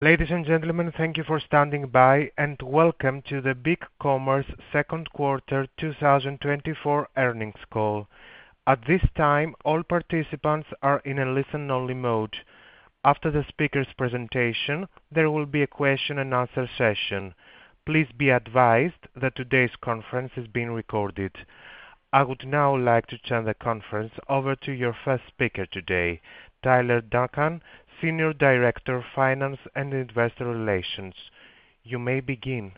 Ladies and gentlemen, thank you for standing by, and welcome to the BigCommerce Q2 2024 earnings call. At this time, all participants are in a listen-only mode. After the speaker's presentation, there will be a question-and-answer session. Please be advised that today's conference is being recorded. I would now like to turn the conference over to your first speaker today, Tyler Duncan, Senior Director, Finance and Investor Relations. You may begin.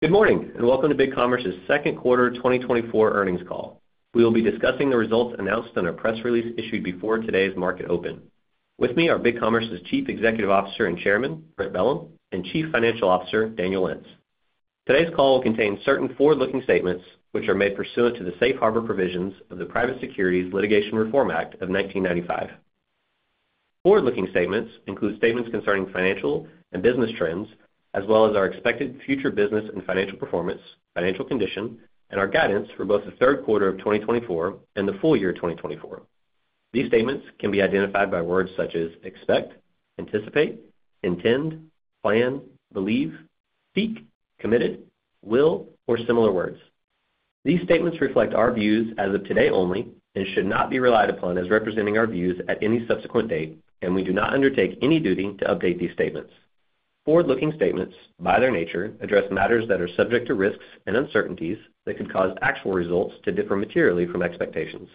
Good morning, and welcome to BigCommerce's Q2 2024 earnings call. We will be discussing the results announced in a press release issued before today's market open. With me are BigCommerce's Chief Executive Officer and Chairman, Brent Bellm, and Chief Financial Officer, Daniel Lentz. Today's call will contain certain forward-looking statements, which are made pursuant to the safe harbor provisions of the Private Securities Litigation Reform Act of 1995. Forward-looking statements include statements concerning financial and business trends, as well as our expected future business and financial performance, financial condition, and our guidance for both the Q3 of 2024 and the full year of 2024. These statements can be identified by words such as expect, anticipate, intend, plan, believe, seek, committed, will, or similar words. These statements reflect our views as of today only and should not be relied upon as representing our views at any subsequent date, and we do not undertake any duty to update these statements. Forward-looking statements, by their nature, address matters that are subject to risks and uncertainties that could cause actual results to differ materially from expectations.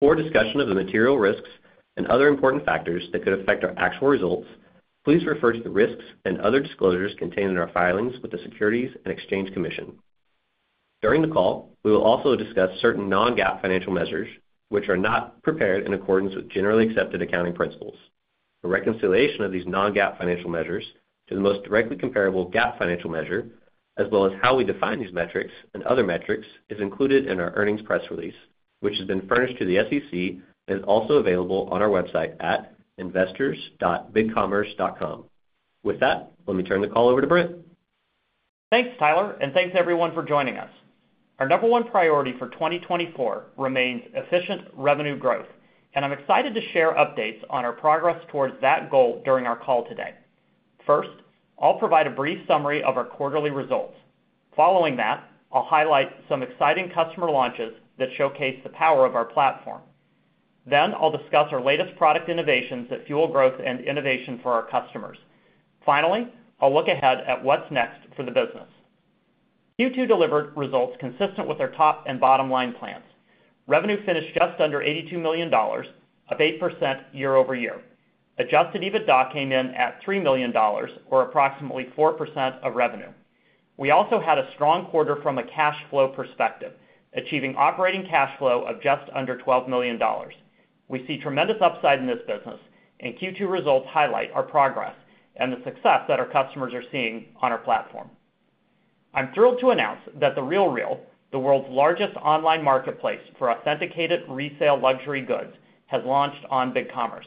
For discussion of the material risks and other important factors that could affect our actual results, please refer to the risks and other disclosures contained in our filings with the Securities and Exchange Commission. During the call, we will also discuss certain Non-GAAP financial measures, which are not prepared in accordance with generally accepted accounting principles. The reconciliation of these Non-GAAP financial measures to the most directly comparable GAAP financial measure, as well as how we define these metrics and other metrics, is included in our earnings press release, which has been furnished to the SEC and is also available on our website at investors.bigcommerce.com. With that, let me turn the call over to Brent. Thanks, Tyler, and thanks everyone for joining us. Our number one priority for 2024 remains efficient revenue growth, and I'm excited to share updates on our progress towards that goal during our call today. First, I'll provide a brief summary of our quarterly results. Following that, I'll highlight some exciting customer launches that showcase the power of our platform. Then, I'll discuss our latest product innovations that fuel growth and innovation for our customers. Finally, I'll look ahead at what's next for the business. Q2 delivered results consistent with our top and bottom line plans. Revenue finished just under $82 million of 8% year-over-year. Adjusted EBITDA came in at $3 million, or approximately 4% of revenue. We also had a strong quarter from a cash flow perspective, achieving operating cash flow of just under $12 million. We see tremendous upside in this business, and Q2 results highlight our progress and the success that our customers are seeing on our platform. I'm thrilled to announce that The RealReal, the world's largest online marketplace for authenticated resale luxury goods, has launched on BigCommerce.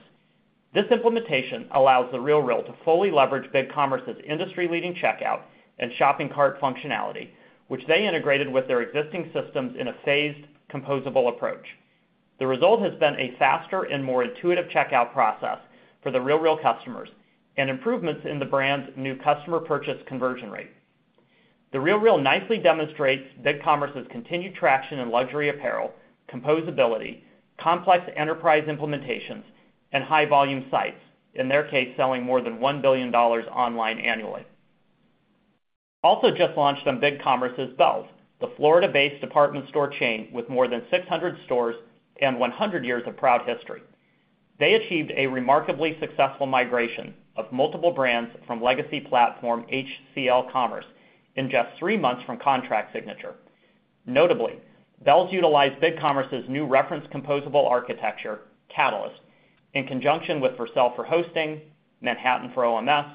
This implementation allows The RealReal to fully leverage BigCommerce's industry-leading checkout and shopping cart functionality, which they integrated with their existing systems in a phased, composable approach. The result has been a faster and more intuitive checkout process for The RealReal customers and improvements in the brand's new customer purchase conversion rate. The RealReal nicely demonstrates BigCommerce's continued traction in luxury apparel, composability, complex enterprise implementations, and high-volume sites, in their case selling more than $1 billion online annually. Also just launched on BigCommerce is Bealls, the Florida-based department store chain with more than 600 stores and 100 years of proud history. They achieved a remarkably successful migration of multiple brands from legacy platform HCL Commerce in just three months from contract signature. Notably, Bealls utilized BigCommerce's new reference composable architecture, Catalyst, in conjunction with Vercel for hosting, Manhattan for OMS,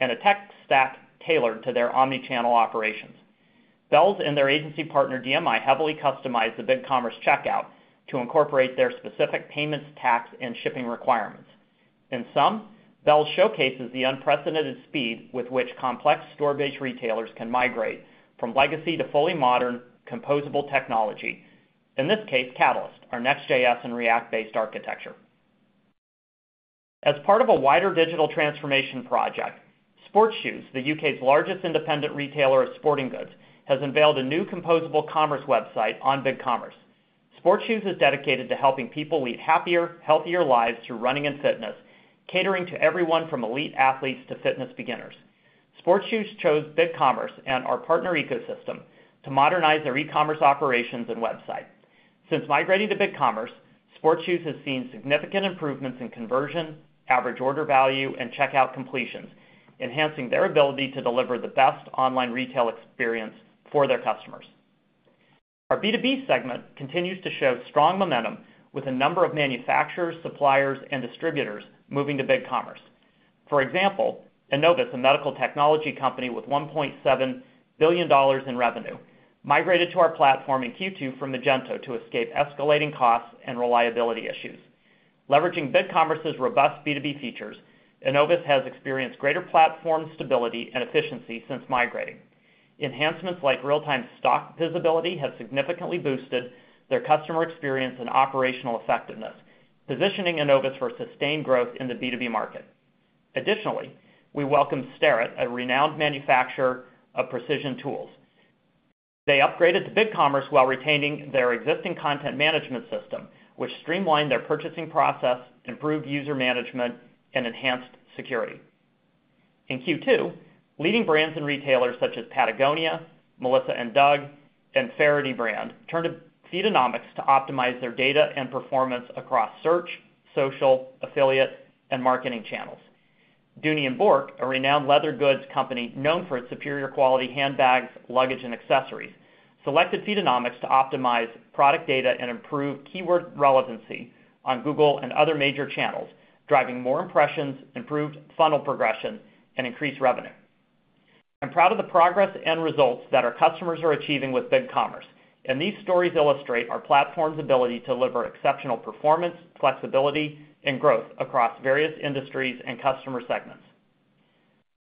and a tech stack tailored to their omnichannel operations. Bealls and their agency partner DMI heavily customized the BigCommerce checkout to incorporate their specific payments, tax, and shipping requirements. In sum, Bealls showcases the unprecedented speed with which complex store-based retailers can migrate from legacy to fully modern composable technology, in this case, Catalyst, our Next.js and React-based architecture. As part of a wider digital transformation project, SportsShoes, the UK's largest independent retailer of sporting goods, has unveiled a new composable commerce website on BigCommerce. SportsShoes is dedicated to helping people lead happier, healthier lives through running and fitness, catering to everyone from elite athletes to fitness beginners. SportsShoes chose BigCommerce and our partner ecosystem to modernize their e-commerce operations and website. Since migrating to BigCommerce, SportsShoes has seen significant improvements in conversion, average order value, and checkout completions, enhancing their ability to deliver the best online retail experience for their customers. Our B2B segment continues to show strong momentum, with a number of manufacturers, suppliers, and distributors moving to BigCommerce. For example, Enovis, a medical technology company with $1.7 billion in revenue, migrated to our platform in Q2 from Magento to escape escalating costs and reliability issues. Leveraging BigCommerce's robust B2B features, Enovis has experienced greater platform stability and efficiency since migrating. Enhancements like real-time stock visibility have significantly boosted their customer experience and operational effectiveness, positioning Enovis for sustained growth in the B2B market. Additionally, we welcome Starrett, a renowned manufacturer of precision tools. They upgraded to BigCommerce while retaining their existing content management system, which streamlined their purchasing process, improved user management, and enhanced security. In Q2, leading brands and retailers such as Patagonia, Melissa & Doug, and Faherty turned to Feedonomics to optimize their data and performance across search, social, affiliate, and marketing channels. Dooney & Bourke, a renowned leather goods company known for its superior quality handbags, luggage, and accessories, selected Feedonomics to optimize product data and improve keyword relevancy on Google and other major channels, driving more impressions, improved funnel progression, and increased revenue. I'm proud of the progress and results that our customers are achieving with BigCommerce, and these stories illustrate our platform's ability to deliver exceptional performance, flexibility, and growth across various industries and customer segments.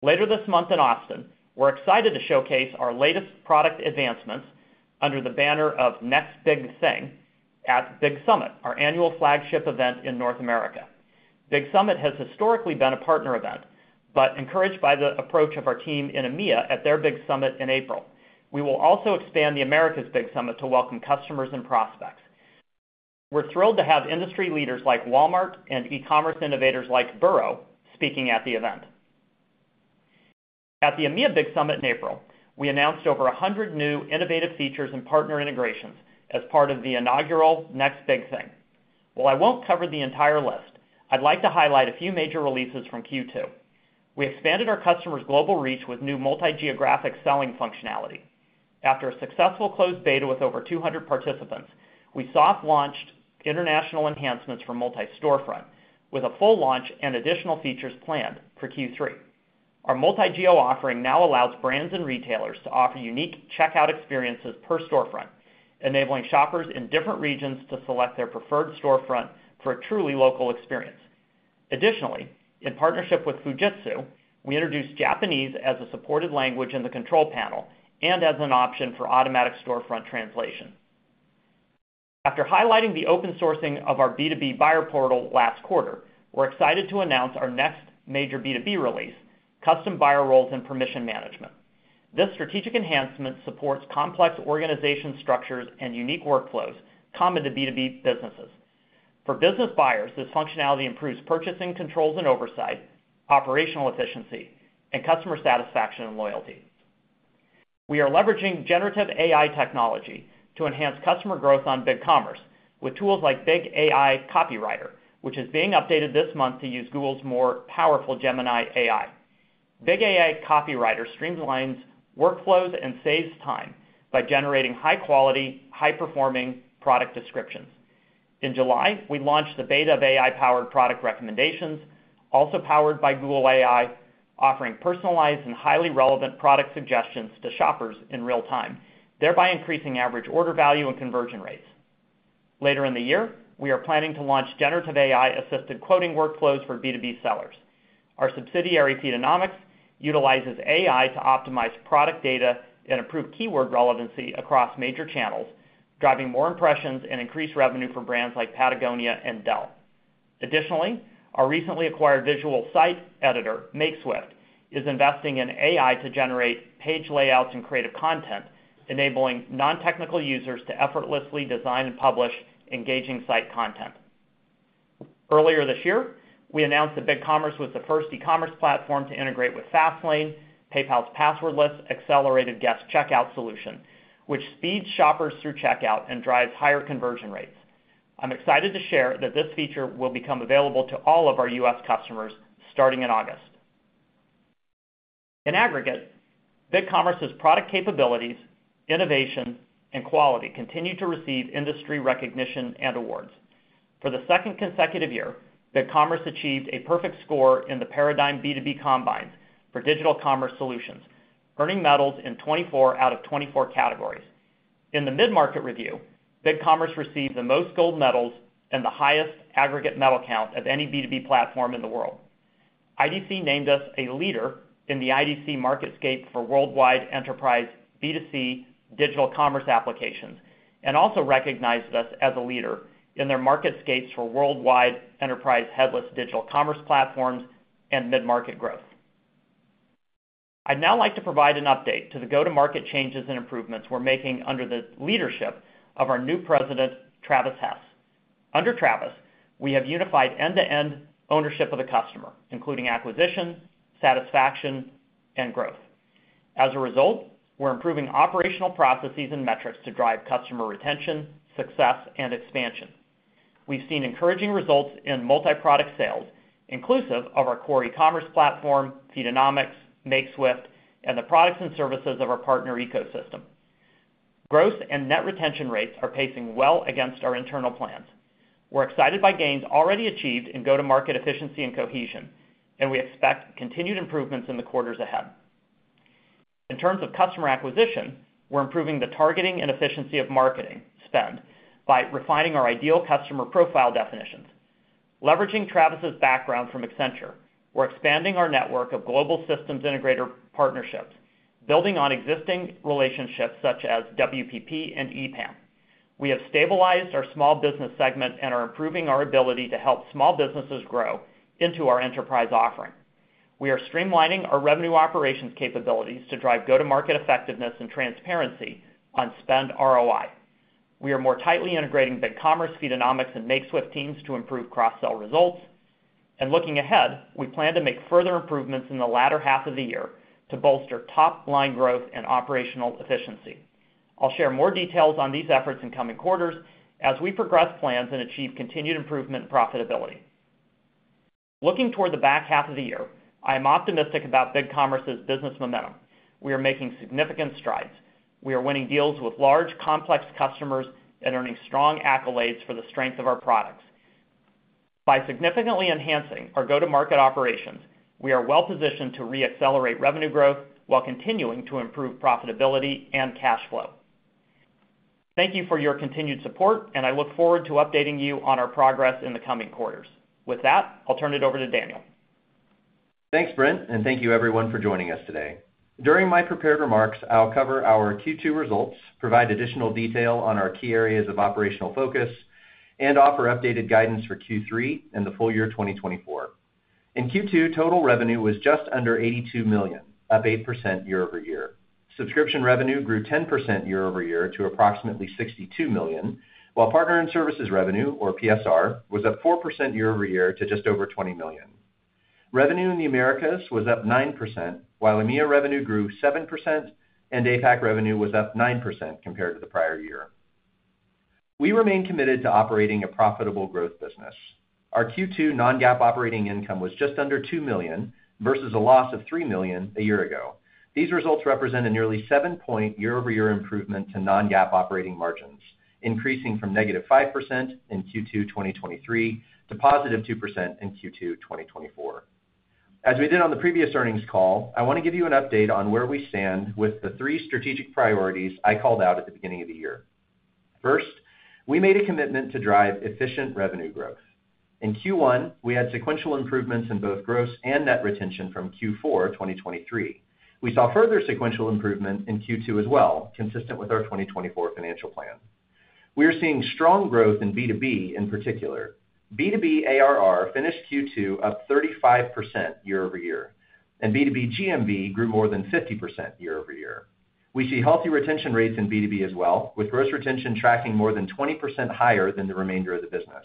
Later this month in Austin, we're excited to showcase our latest product advancements under the banner of Next Big Thing at Big Summit, our annual flagship event in North America. Big Summit has historically been a partner event, but encouraged by the approach of our team in EMEA at their Big Summit in April, we will also expand to America's Big Summit to welcome customers and prospects. We're thrilled to have industry leaders like Walmart and e-commerce innovators like Burrow speaking at the event. At the EMEA Big Summit in April, we announced over 100 new innovative features and partner integrations as part of the inaugural Next Big Thing. While I won't cover the entire list, I'd like to highlight a few major releases from Q2. We expanded our customers' global reach with new multi-geographic selling functionality. After a successful closed beta with over 200 participants, we soft-launched international enhancements for Multi-Storefront, with a full launch and additional features planned for Q3. Our multi-geo offering now allows brands and retailers to offer unique checkout experiences per storefront, enabling shoppers in different regions to select their preferred storefront for a truly local experience. Additionally, in partnership with Fujitsu, we introduced Japanese as a supported language in the control panel and as an option for automatic storefront translation. After highlighting the open sourcing of our B2B buyer portal last quarter, we're excited to announce our next major B2B release, Custom Buyer Roles and Permission Management. This strategic enhancement supports complex organization structures and unique workflows common to B2B businesses. For business buyers, this functionality improves purchasing controls and oversight, operational efficiency, and customer satisfaction and loyalty. We are leveraging generative AI technology to enhance customer growth on BigCommerce with tools like BigAI Copywriter, which is being updated this month to use Google's more powerful Gemini AI. BigAI Copywriter streamlines workflows and saves time by generating high-quality, high-performing product descriptions. In July, we launched the beta of AI-powered product recommendations, also powered by Google AI, offering personalized and highly relevant product suggestions to shoppers in real time, thereby increasing average order value and conversion rates. Later in the year, we are planning to launch generative AI-assisted quoting workflows for B2B sellers. Our subsidiary, Feedonomics, utilizes AI to optimize product data and improve keyword relevancy across major channels, driving more impressions and increased revenue for brands like Patagonia and Bealls. Additionally, our recently acquired visual site editor, Makeswift, is investing in AI to generate page layouts and creative content, enabling non-technical users to effortlessly design and publish engaging site content. Earlier this year, we announced that BigCommerce was the first e-commerce platform to integrate with Fastlane, PayPal's passwordless accelerated guest checkout solution, which speeds shoppers through checkout and drives higher conversion rates. I'm excited to share that this feature will become available to all of our U.S. customers starting in August. In aggregate, BigCommerce's product capabilities, innovation, and quality continue to receive industry recognition and awards. For the second consecutive year, BigCommerce achieved a perfect score in the Paradigm B2B Combines for digital commerce solutions, earning medals in 24 out of 24 categories. In the mid-market review, BigCommerce received the most gold medals and the highest aggregate medal count of any B2B platform in the world. IDC named us a leader in the IDC MarketScape for worldwide enterprise B2C digital commerce applications and also recognized us as a leader in their MarketScapes for worldwide enterprise headless digital commerce platforms and mid-market growth. I'd now like to provide an update to the go-to-market changes and improvements we're making under the leadership of our new President, Travis Hess. Under Travis, we have unified end-to-end ownership of the customer, including acquisition, satisfaction, and growth. As a result, we're improving operational processes and metrics to drive customer retention, success, and expansion. We've seen encouraging results in multi-product sales, inclusive of our core e-commerce platform, Feedonomics, Makeswift, and the products and services of our partner ecosystem. Gross and net retention rates are pacing well against our internal plans. We're excited by gains already achieved in go-to-market efficiency and cohesion, and we expect continued improvements in the quarters ahead. In terms of customer acquisition, we're improving the targeting and efficiency of marketing spend by refining our ideal customer profile definitions. Leveraging Travis's background from Accenture, we're expanding our network of global systems integrator partnerships, building on existing relationships such as WPP and EPAM. We have stabilized our small business segment and are improving our ability to help small businesses grow into our enterprise offering. We are streamlining our revenue operations capabilities to drive go-to-market effectiveness and transparency on spend ROI. We are more tightly integrating BigCommerce, Feedonomics, and Makeswift teams to improve cross-sell results. And looking ahead, we plan to make further improvements in the latter half of the year to bolster top-line growth and operational efficiency. I'll share more details on these efforts in coming quarters as we progress plans and achieve continued improvement and profitability. Looking toward the back half of the year, I am optimistic about BigCommerce's business momentum. We are making significant strides. We are winning deals with large, complex customers and earning strong accolades for the strength of our products. By significantly enhancing our go-to-market operations, we are well-positioned to re-accelerate revenue growth while continuing to improve profitability and cash flow. Thank you for your continued support, and I look forward to updating you on our progress in the coming quarters. With that, I'll turn it over to Daniel. Thanks, Brent, and thank you, everyone, for joining us today. During my prepared remarks, I'll cover our Q2 results, provide additional detail on our key areas of operational focus, and offer updated guidance for Q3 and the full year 2024. In Q2, total revenue was just under $82 million, up 8% year-over-year. Subscription revenue grew 10% year-over-year to approximately $62 million, while partner and services revenue, or PSR, was up 4% year-over-year to just over $20 million. Revenue in the Americas was up 9%, while EMEA revenue grew 7%, and APAC revenue was up 9% compared to the prior year. We remain committed to operating a profitable growth business. Our Q2 non-GAAP operating income was just under $2 million versus a loss of $3 million a year ago. These results represent a nearly 7-point year-over-year improvement to non-GAAP operating margins, increasing from -5% in Q2 2023 to +2% in Q2 2024. As we did on the previous earnings call, I want to give you an update on where we stand with the three strategic priorities I called out at the beginning of the year. First, we made a commitment to drive efficient revenue growth. In Q1, we had sequential improvements in both gross and net retention from Q4 2023. We saw further sequential improvement in Q2 as well, consistent with our 2024 financial plan. We are seeing strong growth in B2B, in particular. B2B ARR finished Q2 up 35% year over year, and B2B GMV grew more than 50% year over year. We see healthy retention rates in B2B as well, with gross retention tracking more than 20% higher than the remainder of the business.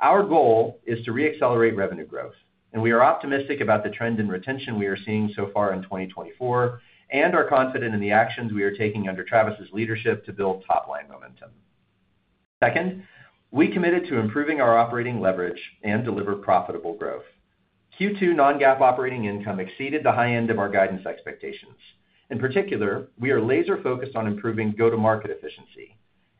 Our goal is to re-accelerate revenue growth, and we are optimistic about the trend in retention we are seeing so far in 2024 and are confident in the actions we are taking under Travis's leadership to build top-line momentum. Second, we committed to improving our operating leverage and deliver profitable growth. Q2 non-GAAP operating income exceeded the high end of our guidance expectations. In particular, we are laser-focused on improving go-to-market efficiency.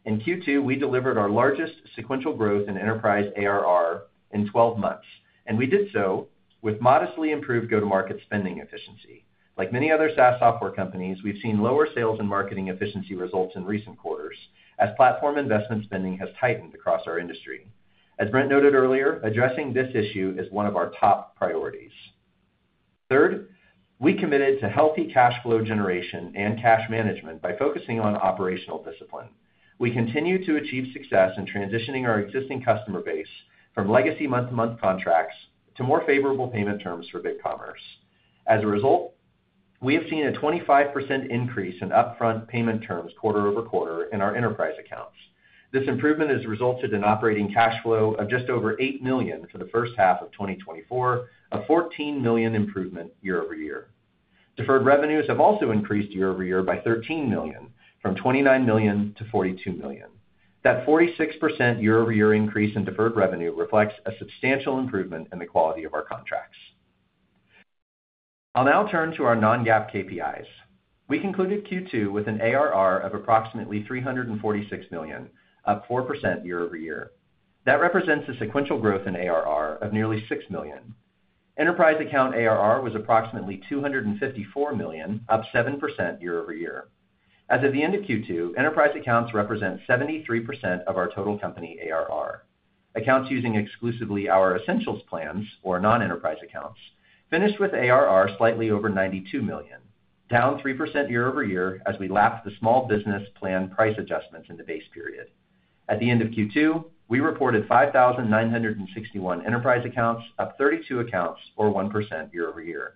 In Q2, we delivered our largest sequential growth in enterprise ARR in 12 months, and we did so with modestly improved go-to-market spending efficiency. Like many other SaaS software companies, we've seen lower sales and marketing efficiency results in recent quarters as platform investment spending has tightened across our industry. As Brent noted earlier, addressing this issue is one of our top priorities. Third, we committed to healthy cash flow generation and cash management by focusing on operational discipline. We continue to achieve success in transitioning our existing customer base from legacy month-to-month contracts to more favorable payment terms for BigCommerce. As a result, we have seen a 25% increase in upfront payment terms quarter over quarter in our enterprise accounts. This improvement has resulted in operating cash flow of just over $8 million for the first half of 2024, a $14 million improvement year-over-year. Deferred revenues have also increased year-over-year by $13 million, from $29 million to $42 million. That 46% year-over-year increase in deferred revenue reflects a substantial improvement in the quality of our contracts. I'll now turn to our non-GAAP KPIs. We concluded Q2 with an ARR of approximately $346 million, up 4% year-over-year. That represents a sequential growth in ARR of nearly $6 million. Enterprise account ARR was approximately $254 million, up 7% year-over-year. As of the end of Q2, enterprise accounts represent 73% of our total company ARR. Accounts using exclusively our essentials plans, or non-enterprise accounts, finished with ARR slightly over $92 million, down 3% year-over-year as we lapped the small business plan price adjustments in the base period. At the end of Q2, we reported 5,961 enterprise accounts, up 32 accounts, or 1% year-over-year.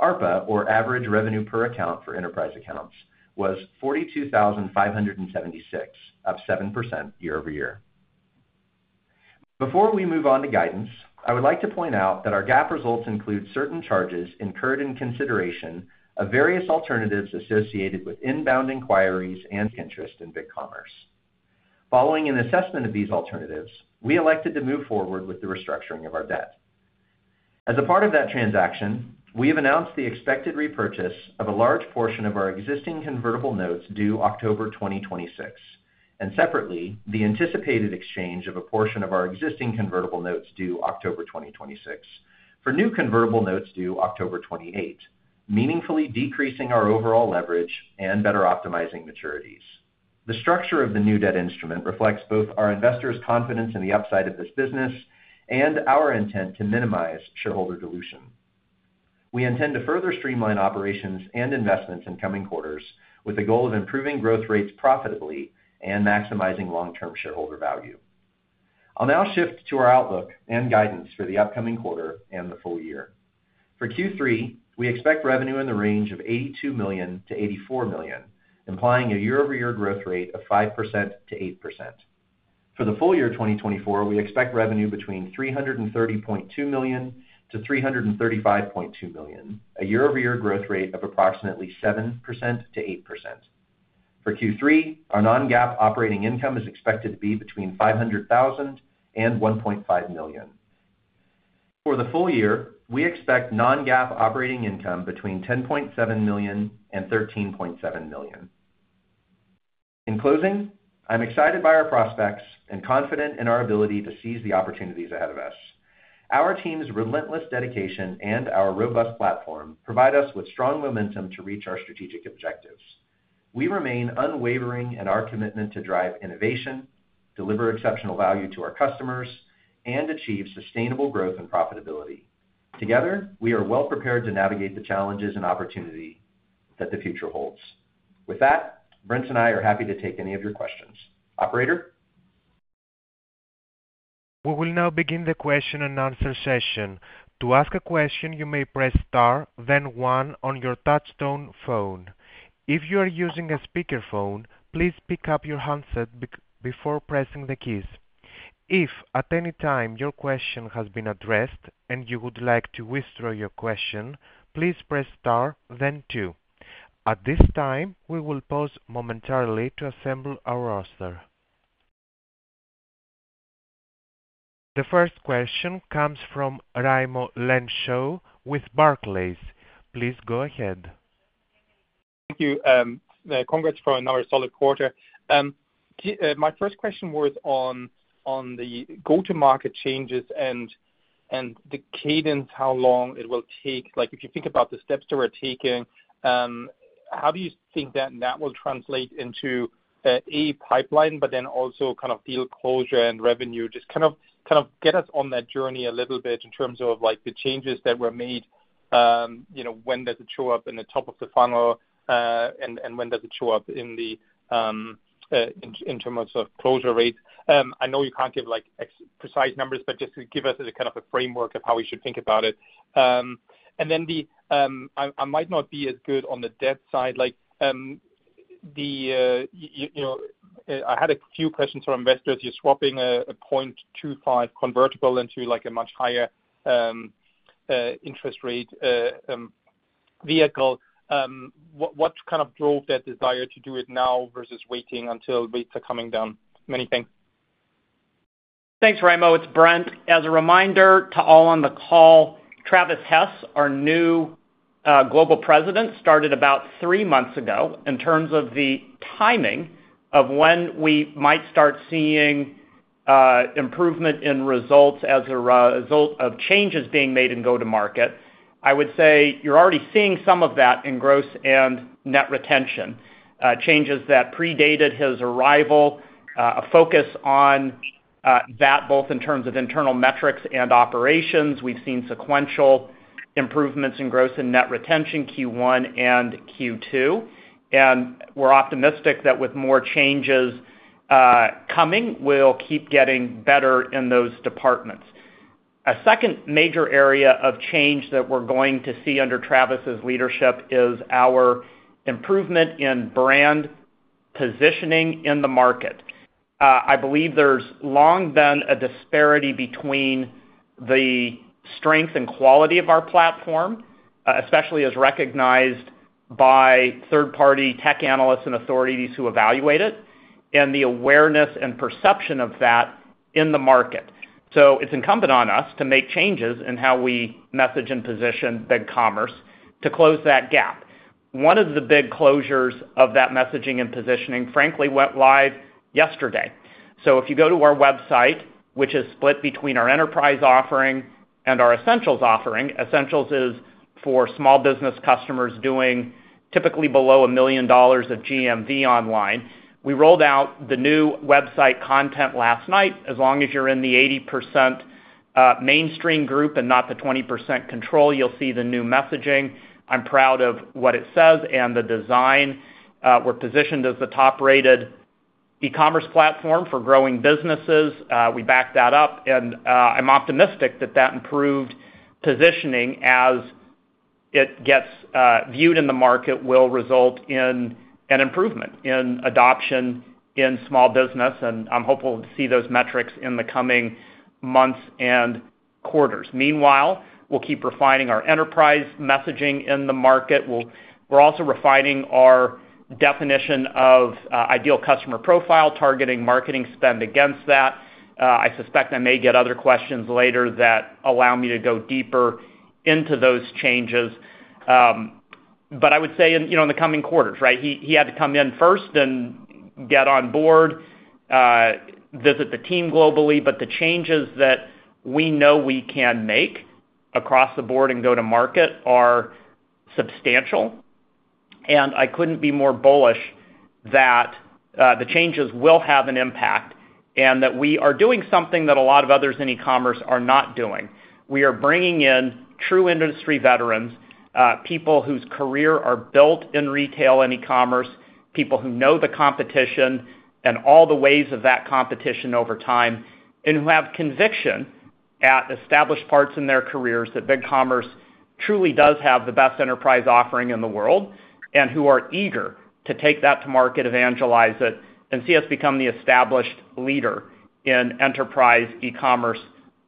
ARPA, or average revenue per account for enterprise accounts, was $42,576, up 7% year-over-year. Before we move on to guidance, I would like to point out that our GAAP results include certain charges incurred in consideration of various alternatives associated with inbound inquiries and interest in BigCommerce. Following an assessment of these alternatives, we elected to move forward with the restructuring of our debt. As a part of that transaction, we have announced the expected repurchase of a large portion of our existing convertible notes due October 2026, and separately, the anticipated exchange of a portion of our existing convertible notes due October 2026 for new convertible notes due October 28, meaningfully decreasing our overall leverage and better optimizing maturities. The structure of the new debt instrument reflects both our investors' confidence in the upside of this business and our intent to minimize shareholder dilution. We intend to further streamline operations and investments in coming quarters with the goal of improving growth rates profitably and maximizing long-term shareholder value. I'll now shift to our outlook and guidance for the upcoming quarter and the full year. For Q3, we expect revenue in the range of $82 million-$84 million, implying a year-over-year growth rate of 5%-8%. For the full year 2024, we expect revenue between $330.2 million-$335.2 million, a year-over-year growth rate of approximately 7%-8%. For Q3, our non-GAAP operating income is expected to be between $500,000-$1.5 million. For the full year, we expect non-GAAP non-GAAP operating income between $10.7 million-$13.7 million. In closing, I'm excited by our prospects and confident in our ability to seize the opportunities ahead of us. Our team's relentless dedication and our robust platform provide us with strong momentum to reach our strategic objectives. We remain unwavering in our commitment to drive innovation, deliver exceptional value to our customers, and achieve sustainable growth and profitability. Together, we are well-prepared to navigate the challenges and opportunity that the future holds. With that, Brent and I are happy to take any of your questions. Operator? We will now begin the question and answer session. To ask a question, you may press Star, then 1 on your touch-tone phone. If you are using a speakerphone, please pick up your handset before pressing the keys. If, at any time, your question has been addressed and you would like to withdraw your question, please press Star, then 2. At this time, we will pause momentarily to assemble our roster. The first question comes from Raimo Lenschow with Barclays. Please go ahead. Thank you. Congrats for another solid quarter. My first question was on the go-to-market changes and the cadence, how long it will take. If you think about the steps that we're taking, how do you think that that will translate into a pipeline, but then also kind of deal closure and revenue? Just kind of get us on that journey a little bit in terms of the changes that were made, when does it show up in the top of the funnel, and when does it show up in terms of closure rates? I know you can't give precise numbers, but just give us kind of a framework of how we should think about it. And then I might not be as good on the debt side. I had a few questions for investors. You're swapping a 0.25 convertible into a much higher interest rate vehicle. What kind of drove that desire to do it now versus waiting until rates are coming down? Many thanks. Thanks, Raimo. It's Brent. As a reminder to all on the call, Travis Hess, our new Global President, started about three months ago in terms of the timing of when we might start seeing improvement in results as a result of changes being made in go-to-market. I would say you're already seeing some of that in gross and net retention, changes that predated his arrival, a focus on that both in terms of internal metrics and operations. We've seen sequential improvements in gross and net retention Q1 and Q2, and we're optimistic that with more changes coming, we'll keep getting better in those departments. A second major area of change that we're going to see under Travis's leadership is our improvement in brand positioning in the market. I believe there's long been a disparity between the strength and quality of our platform, especially as recognized by third-party tech analysts and authorities who evaluate it, and the awareness and perception of that in the market. So it's incumbent on us to make changes in how we message and position BigCommerce to close that gap. One of the big closures of that messaging and positioning, frankly, went live yesterday. So if you go to our website, which is split between our enterprise offering and our essentials offering, essentials is for small business customers doing typically below $1 million of GMV online. We rolled out the new website content last night. As long as you're in the 80% mainstream group and not the 20% control, you'll see the new messaging. I'm proud of what it says and the design. We're positioned as the top-rated e-commerce platform for growing businesses. We backed that up, and I'm optimistic that that improved positioning as it gets viewed in the market will result in an improvement in adoption in small business, and I'm hopeful to see those metrics in the coming months and quarters. Meanwhile, we'll keep refining our enterprise messaging in the market. We're also refining our definition of ideal customer profile, targeting marketing spend against that. I suspect I may get other questions later that allow me to go deeper into those changes. But I would say in the coming quarters, right? He had to come in first and get on board, visit the team globally, but the changes that we know we can make across the board and go-to-market are substantial, and I couldn't be more bullish that the changes will have an impact and that we are doing something that a lot of others in e-commerce are not doing. We are bringing in true industry veterans, people whose careers are built in retail and e-commerce, people who know the competition and all the ways of that competition over time, and who have conviction at established parts in their careers that BigCommerce truly does have the best enterprise offering in the world and who are eager to take that to market, evangelize it, and see us become the established leader in enterprise e-commerce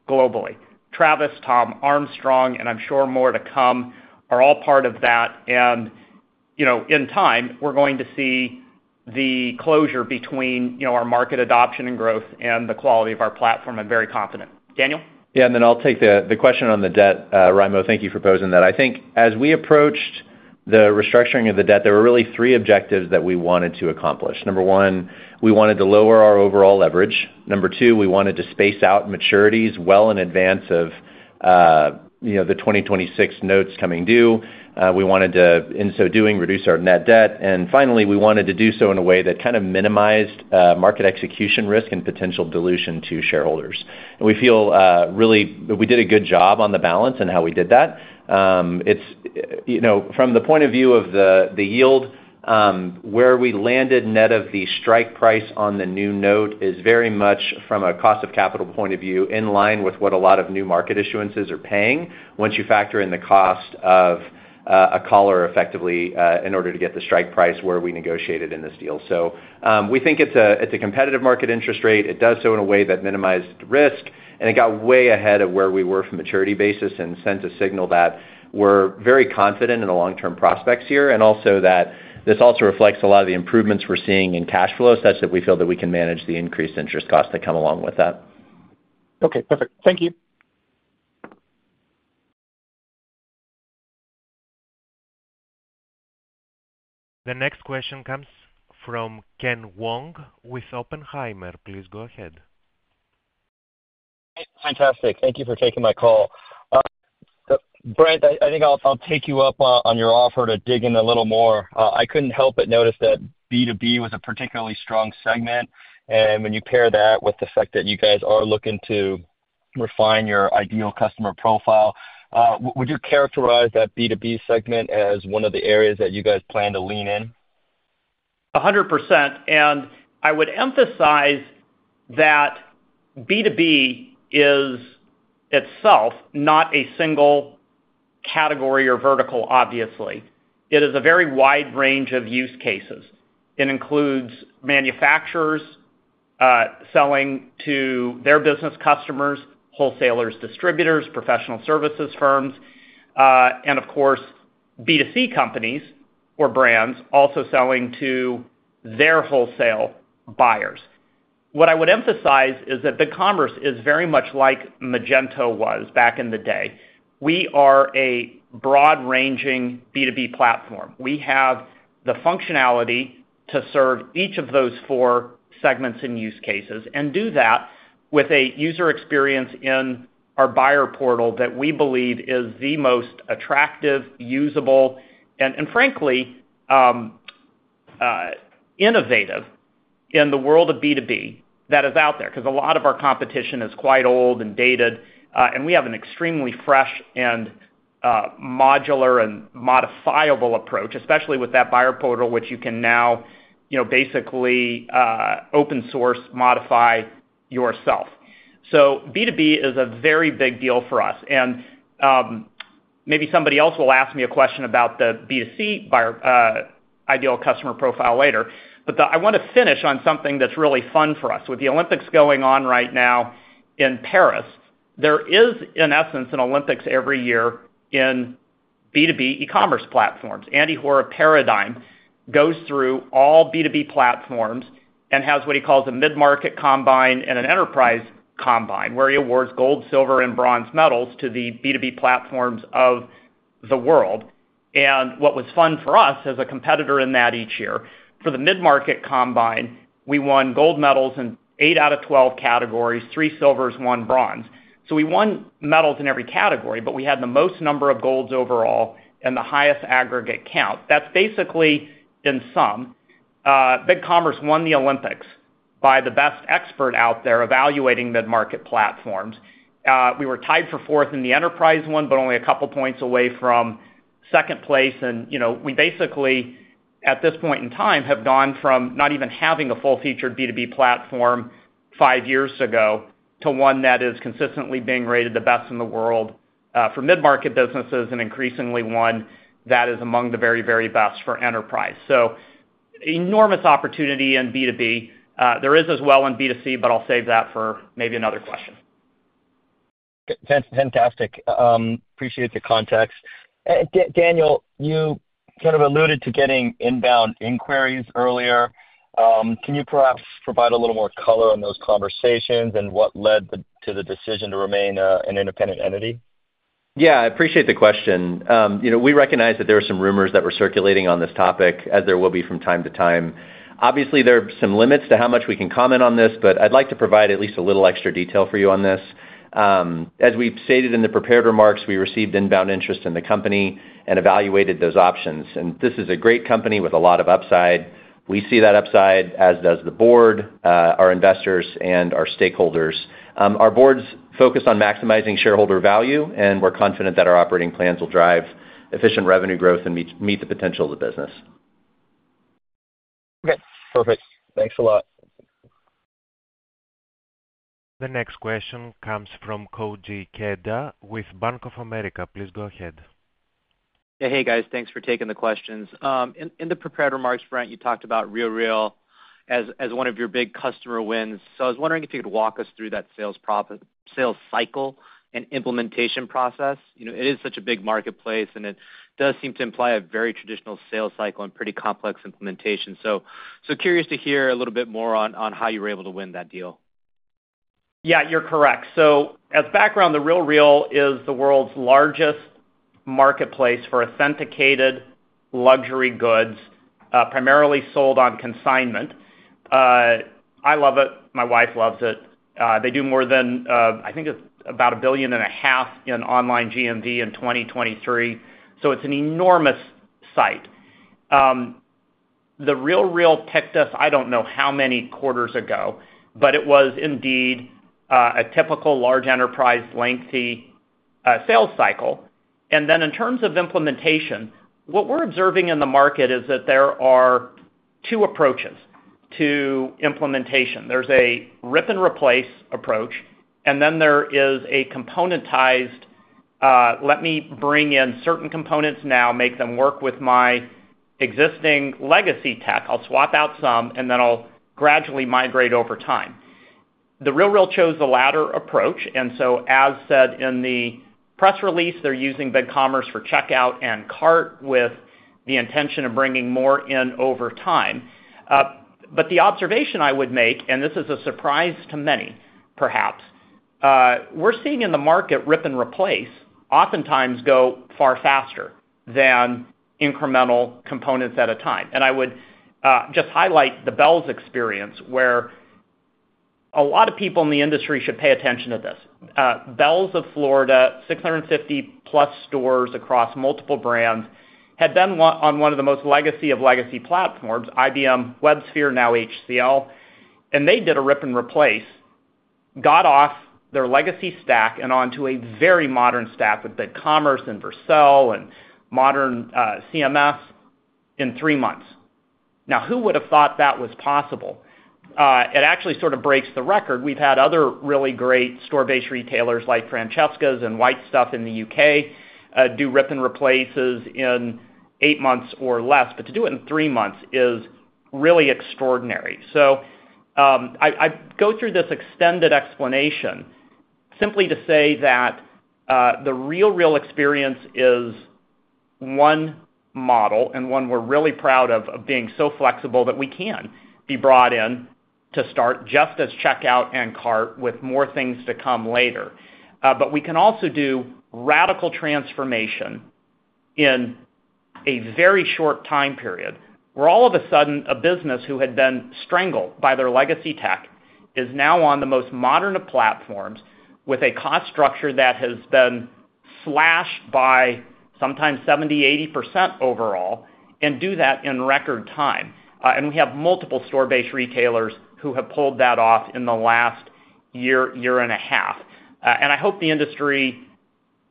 globally. Travis, Tom Armstrong, and I'm sure more to come are all part of that, and in time, we're going to see the closure between our market adoption and growth and the quality of our platform. I'm very confident. Daniel? Yeah, and then I'll take the question on the debt. Raimo, thank you for posing that. I think as we approached the restructuring of the debt, there were really three objectives that we wanted to accomplish. 1, we wanted to lower our overall leverage. 2, we wanted to space out maturities well in advance of the 2026 notes coming due. We wanted to, in so doing, reduce our net debt. And finally, we wanted to do so in a way that kind of minimized market execution risk and potential dilution to shareholders. We feel really we did a good job on the balance and how we did that. From the point of view of the yield, where we landed net of the strike price on the new note is very much from a cost of capital point of view in line with what a lot of new market issuances are paying once you factor in the cost of a caller, effectively, in order to get the strike price where we negotiated in this deal. We think it's a competitive market interest rate. It does so in a way that minimized risk, and it got way ahead of where we were from maturity basis and sent a signal that we're very confident in the long-term prospects here, and also that this also reflects a lot of the improvements we're seeing in cash flow such that we feel that we can manage the increased interest costs that come along with that. Okay. Perfect. Thank you. The next question comes from Ken Wong with Oppenheimer. Please go ahead. Fantastic. Thank you for taking my call. Brent, I think I'll take you up on your offer to dig in a little more. I couldn't help but notice that B2B was a particularly strong segment, and when you pair that with the fact that you guys are looking to refine your ideal customer profile, would you characterize that B2B segment as one of the areas that you guys plan to lean in? 100%. And I would emphasize that B2B is itself not a single category or vertical, obviously. It is a very wide range of use cases. It includes manufacturers selling to their business customers, wholesalers, distributors, professional services firms, and of course, B2C companies or brands also selling to their wholesale buyers. What I would emphasize is that BigCommerce is very much like Magento was back in the day. We are a broad-ranging B2B platform. We have the functionality to serve each of those four segments and use cases and do that with a user experience in our buyer portal that we believe is the most attractive, usable, and frankly, innovative in the world of B2B that is out there because a lot of our competition is quite old and dated, and we have an extremely fresh and modular and modifiable approach, especially with that buyer portal, which you can now basically open source, modify yourself. B2B is a very big deal for us. Maybe somebody else will ask me a question about the B2C ideal customer profile later, but I want to finish on something that's really fun for us. With the Olympics going on right now in Paris, there is, in essence, an Olympics every year in B2B e-commerce platforms. Andy Hoar Paradigm goes through all B2B platforms and has what he calls a mid-market combine and an enterprise combine where he awards gold, silver, and bronze medals to the B2B platforms of the world. What was fun for us as a competitor in that each year, for the mid-market combine, we won gold medals in 8 out of 12 categories, 3 silvers, 1 bronze. So we won medals in every category, but we had the most number of golds overall and the highest aggregate count. That's basically in sum. BigCommerce won the Olympics by the best expert out there evaluating mid-market platforms. We were tied for fourth in the enterprise one, but only a couple of points away from second place. We basically, at this point in time, have gone from not even having a full-featured B2B platform five years ago to one that is consistently being rated the best in the world for mid-market businesses and increasingly one that is among the very, very best for enterprise. So enormous opportunity in B2B. There is as well in B2C, but I'll save that for maybe another question. Fantastic. Appreciate the context. Daniel, you kind of alluded to getting inbound inquiries earlier. Can you perhaps provide a little more color on those conversations and what led to the decision to remain an independent entity? Yeah. I appreciate the question. We recognize that there are some rumors that were circulating on this topic, as there will be from time to time. Obviously, there are some limits to how much we can comment on this, but I'd like to provide at least a little extra detail for you on this. As we've stated in the prepared remarks, we received inbound interest in the company and evaluated those options. This is a great company with a lot of upside. We see that upside, as does the board, our investors, and our stakeholders. Our board's focused on maximizing shareholder value, and we're confident that our operating plans will drive efficient revenue growth and meet the potential of the business. Okay. Perfect. Thanks a lot. The next question comes from Koji Ikeda with Bank of America. Please go ahead. Hey, guys. Thanks for taking the questions. In the prepared remarks, Brent, you talked about RealReal as one of your big customer wins. So I was wondering if you could walk us through that sales cycle and implementation process. It is such a big marketplace, and it does seem to imply a very traditional sales cycle and pretty complex implementation. So curious to hear a little bit more on how you were able to win that deal. Yeah, you're correct. So as background, The RealReal is the world's largest marketplace for authenticated luxury goods, primarily sold on consignment. I love it. My wife loves it. They do more than, I think, about $1.5 billion in online GMV in 2023. So it's an enormous site. The RealReal picked us, I don't know how many quarters ago, but it was indeed a typical large enterprise lengthy sales cycle. And then in terms of implementation, what we're observing in the market is that there are two approaches to implementation. There's a rip and replace approach, and then there is a componentized, "Let me bring in certain components now, make them work with my existing legacy tech. I'll swap out some, and then I'll gradually migrate over time." The RealReal chose the latter approach. And so, as said in the press release, they're using BigCommerce for checkout and cart with the intention of bringing more in over time. But the observation I would make, and this is a surprise to many, perhaps, we're seeing in the market rip and replace oftentimes go far faster than incremental components at a time. And I would just highlight the Bealls' experience where a lot of people in the industry should pay attention to this. Bealls of Florida, 650+ stores across multiple brands, had been on one of the most legacy of legacy platforms, IBM WebSphere, now HCL, and they did a rip and replace, got off their legacy stack and onto a very modern stack with BigCommerce and Vercel and modern CMS in three months. Now, who would have thought that was possible? It actually sort of breaks the record. We've had other really great store-based retailers like Francesca's and White Stuff in the UK do rip and replaces in eight months or less, but to do it in three months is really extraordinary. So I go through this extended explanation simply to say that The RealReal experience is one model and one we're really proud of being so flexible that we can be brought in to start just as checkout and cart with more things to come later. But we can also do radical transformation in a very short time period where all of a sudden, a business who had been strangled by their legacy tech is now on the most modern platforms with a cost structure that has been slashed by sometimes 70%-80% overall and do that in record time. And we have multiple store-based retailers who have pulled that off in the last year, year and a half. And I hope the industry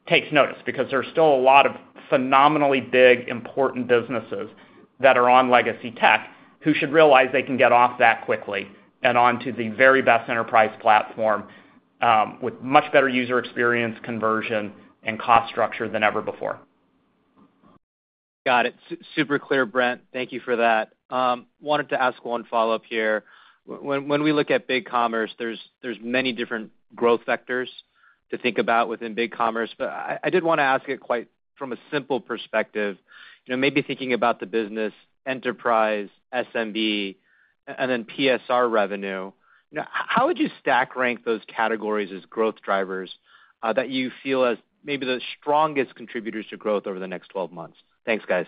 takes notice because there are still a lot of phenomenally big, important businesses that are on legacy tech who should realize they can get off that quickly and onto the very best enterprise platform with much better user experience, conversion, and cost structure than ever before. Got it. Super clear, Brent. Thank you for that. Wanted to ask one follow-up here. When we look at BigCommerce, there's many different growth vectors to think about within BigCommerce, but I did want to ask it quite from a simple perspective. Maybe thinking about the business, enterprise, SMB, and then PSR revenue, how would you stack rank those categories as growth drivers that you feel as maybe the strongest contributors to growth over the next 12 months? Thanks, guys.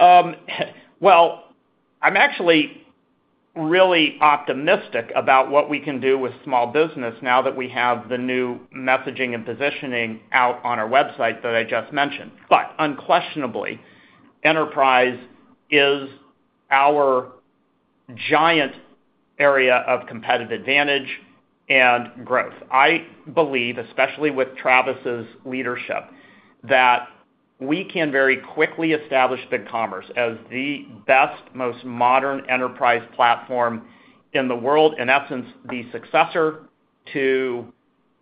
Well, I'm actually really optimistic about what we can do with small business now that we have the new messaging and positioning out on our website that I just mentioned. But unquestionably, enterprise is our giant area of competitive advantage and growth. I believe, especially with Travis's leadership, that we can very quickly establish BigCommerce as the best, most modern enterprise platform in the world, in essence, the successor to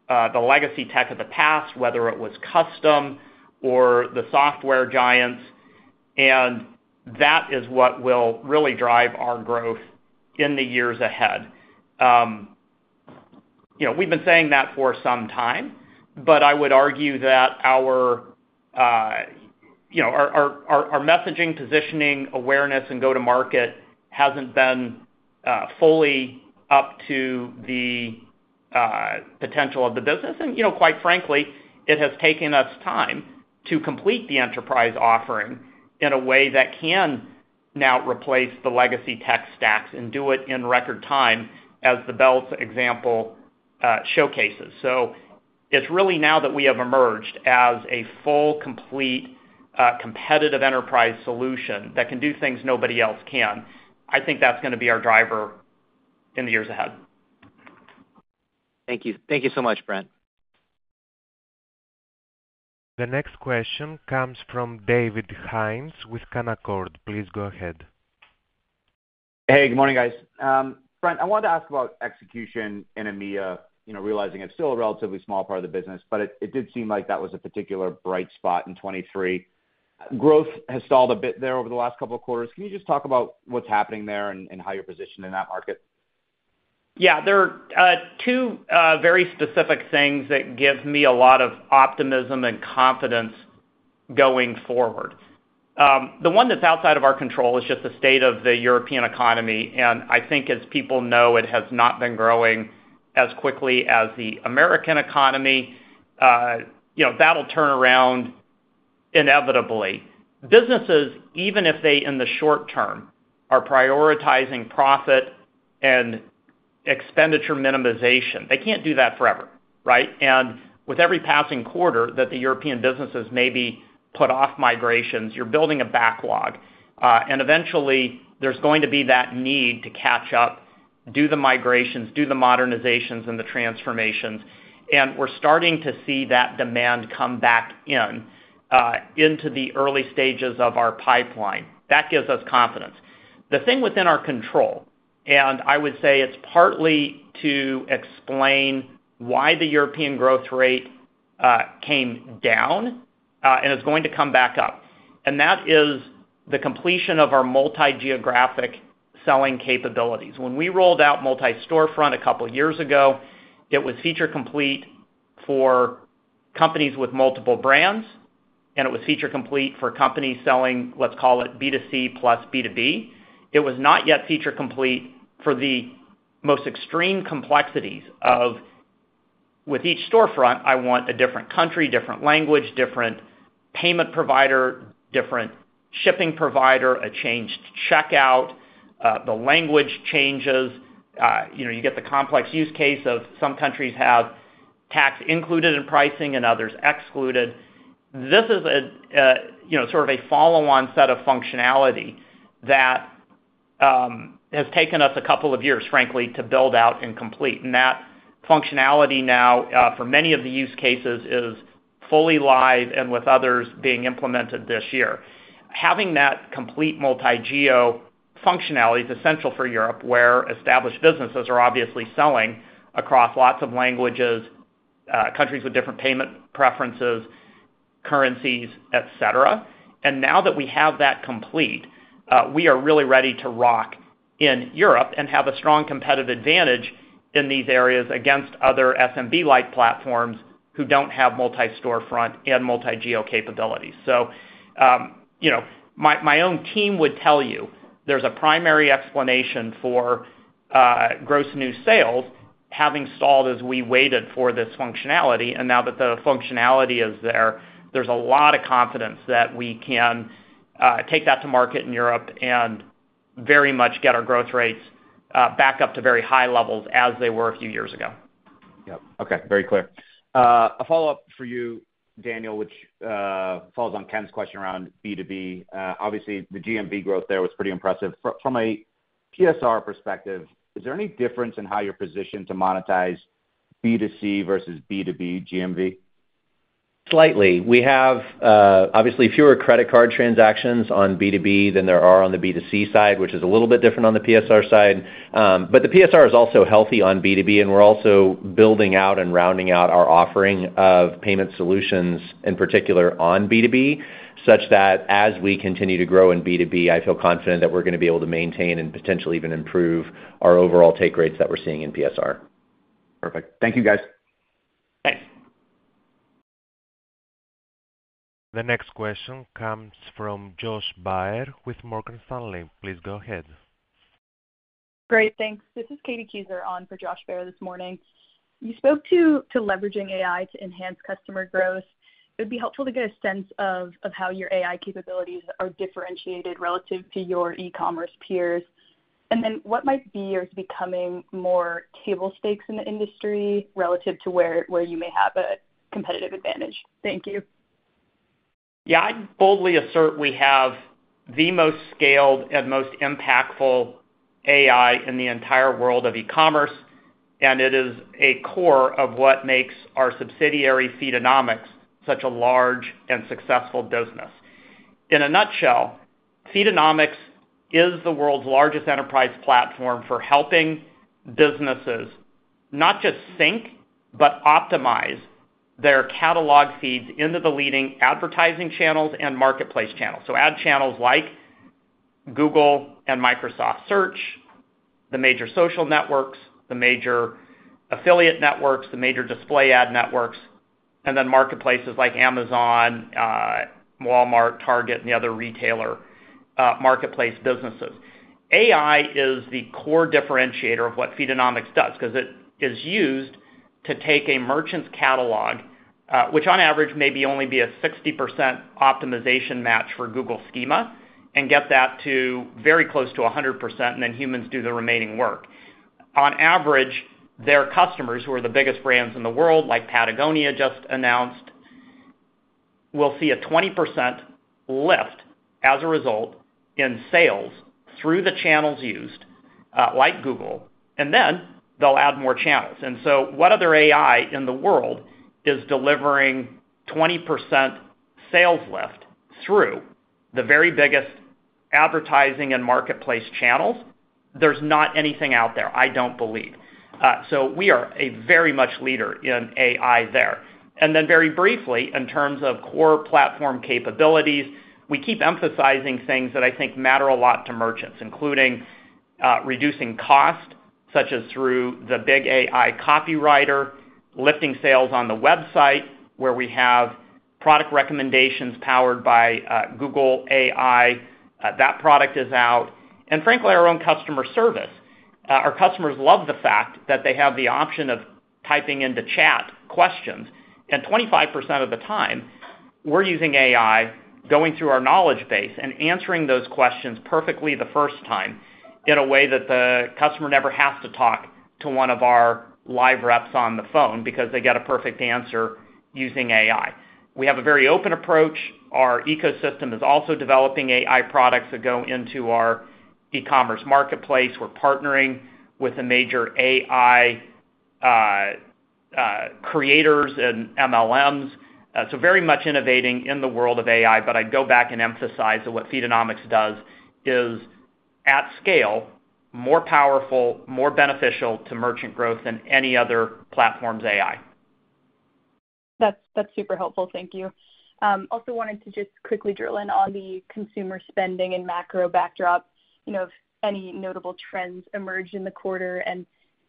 the legacy tech of the past, whether it was custom or the software giants. And that is what will really drive our growth in the years ahead. We've been saying that for some time, but I would argue that our messaging, positioning, awareness, and go-to-market hasn't been fully up to the potential of the business. And quite frankly, it has taken us time to complete the enterprise offering in a way that can now replace the legacy tech stacks and do it in record time, as the Bell's example showcases. So it's really now that we have emerged as a full, complete, competitive enterprise solution that can do things nobody else can. I think that's going to be our driver in the years ahead. Thank you. Thank you so much, Brent. The next question comes from David Hynes with Canaccord Genuity. Please go ahead. Hey, good morning, guys. Brent, I wanted to ask about execution in EMEA, realizing it's still a relatively small part of the business, but it did seem like that was a particular bright spot in 2023. Growth has stalled a bit there over the last couple of quarters. Can you just talk about what's happening there and how you're positioned in that market? Yeah. There are two very specific things that give me a lot of optimism and confidence going forward. The one that's outside of our control is just the state of the European economy. And I think, as people know, it has not been growing as quickly as the American economy. That'll turn around inevitably. Businesses, even if they in the short term are prioritizing profit and expenditure minimization, they can't do that forever, right? And with every passing quarter that the European businesses maybe put off migrations, you're building a backlog. Eventually, there's going to be that need to catch up, do the migrations, do the modernizations and the transformations. And we're starting to see that demand come back into the early stages of our pipeline. That gives us confidence. The thing within our control, and I would say it's partly to explain why the European growth rate came down and is going to come back up, and that is the completion of our multi-geographic selling capabilities. When we rolled out Multi-Storefront a couple of years ago, it was feature complete for companies with multiple brands, and it was feature complete for companies selling, let's call it B2C plus B2B. It was not yet feature complete for the most extreme complexities of, with each storefront, I want a different country, different language, different payment provider, different shipping provider, a changed checkout, the language changes. You get the complex use case of some countries have tax included in pricing and others excluded. This is sort of a follow-on set of functionality that has taken us a couple of years, frankly, to build out and complete. And that functionality now, for many of the use cases, is fully live and with others being implemented this year. Having that complete multi-geo functionality is essential for Europe, where established businesses are obviously selling across lots of languages, countries with different payment preferences, currencies, etc. And now that we have that complete, we are really ready to rock in Europe and have a strong competitive advantage in these areas against other SMB-like platforms who don't have multi-storefront and multi-geo capabilities. So my own team would tell you there's a primary explanation for gross new sales having stalled as we waited for this functionality. Now that the functionality is there, there's a lot of confidence that we can take that to market in Europe and very much get our growth rates back up to very high levels as they were a few years ago. Yep. Okay. Very clear. A follow-up for you, Daniel, which follows on Ken's question around B2B. Obviously, the GMV growth there was pretty impressive. From a PSR perspective, is there any difference in how you're positioned to monetize B2C versus B2B GMV? Slightly. We have obviously fewer credit card transactions on B2B than there are on the B2C side, which is a little bit different on the PSR side. But the PSR is also healthy on B2B, and we're also building out and rounding out our offering of payment solutions in particular on B2B, such that as we continue to grow in B2B, I feel confident that we're going to be able to maintain and potentially even improve our overall take rates that we're seeing in PSR. Perfect. Thank you, guys. Thanks. The next question comes from Josh Baer with Morgan Stanley. Please go ahead. Great. Thanks. This is Katie Keisler on for Josh Baer this morning. You spoke to leveraging AI to enhance customer growth. It would be helpful to get a sense of how your AI capabilities are differentiated relative to your e-commerce peers. And then what might be or is becoming more table stakes in the industry relative to where you may have a competitive advantage? Thank you. Yeah. I boldly assert we have the most scaled and most impactful AI in the entire world of e-commerce, and it is a core of what makes our subsidiary Feedonomics such a large and successful business. In a nutshell, Feedonomics is the world's largest enterprise platform for helping businesses not just sync, but optimize their catalog feeds into the leading advertising channels and marketplace channels. So add channels like Google and Microsoft Search, the major social networks, the major affiliate networks, the major display ad networks, and then marketplaces like Amazon, Walmart, Target, and the other retailer marketplace businesses. AI is the core differentiator of what Feedonomics does because it is used to take a merchant's catalog, which on average may be only a 60% optimization match for Google Schema, and get that to very close to 100%, and then humans do the remaining work. On average, their customers, who are the biggest brands in the world, like Patagonia just announced, will see a 20% lift as a result in sales through the channels used like Google, and then they'll add more channels. And so what other AI in the world is delivering 20% sales lift through the very biggest advertising and marketplace channels? There's not anything out there, I don't believe. So we are a very much leader in AI there. And then very briefly, in terms of core platform capabilities, we keep emphasizing things that I think matter a lot to merchants, including reducing cost, such as through the BigAI Copywriter, lifting sales on the website where we have product recommendations powered by Google AI, that product is out. And frankly, our own customer service. Our customers love the fact that they have the option of typing into chat questions. 25% of the time, we're using AI, going through our knowledge base and answering those questions perfectly the first time in a way that the customer never has to talk to one of our live reps on the phone because they get a perfect answer using AI. We have a very open approach. Our ecosystem is also developing AI products that go into our e-commerce marketplace. We're partnering with the major AI creators and LLMs. So very much innovating in the world of AI. But I'd go back and emphasize that what Feedonomics does is, at scale, more powerful, more beneficial to merchant growth than any other platform's AI. That's super helpful. Thank you. Also wanted to just quickly drill in on the consumer spending and macro backdrop. If any notable trends emerge in the quarter and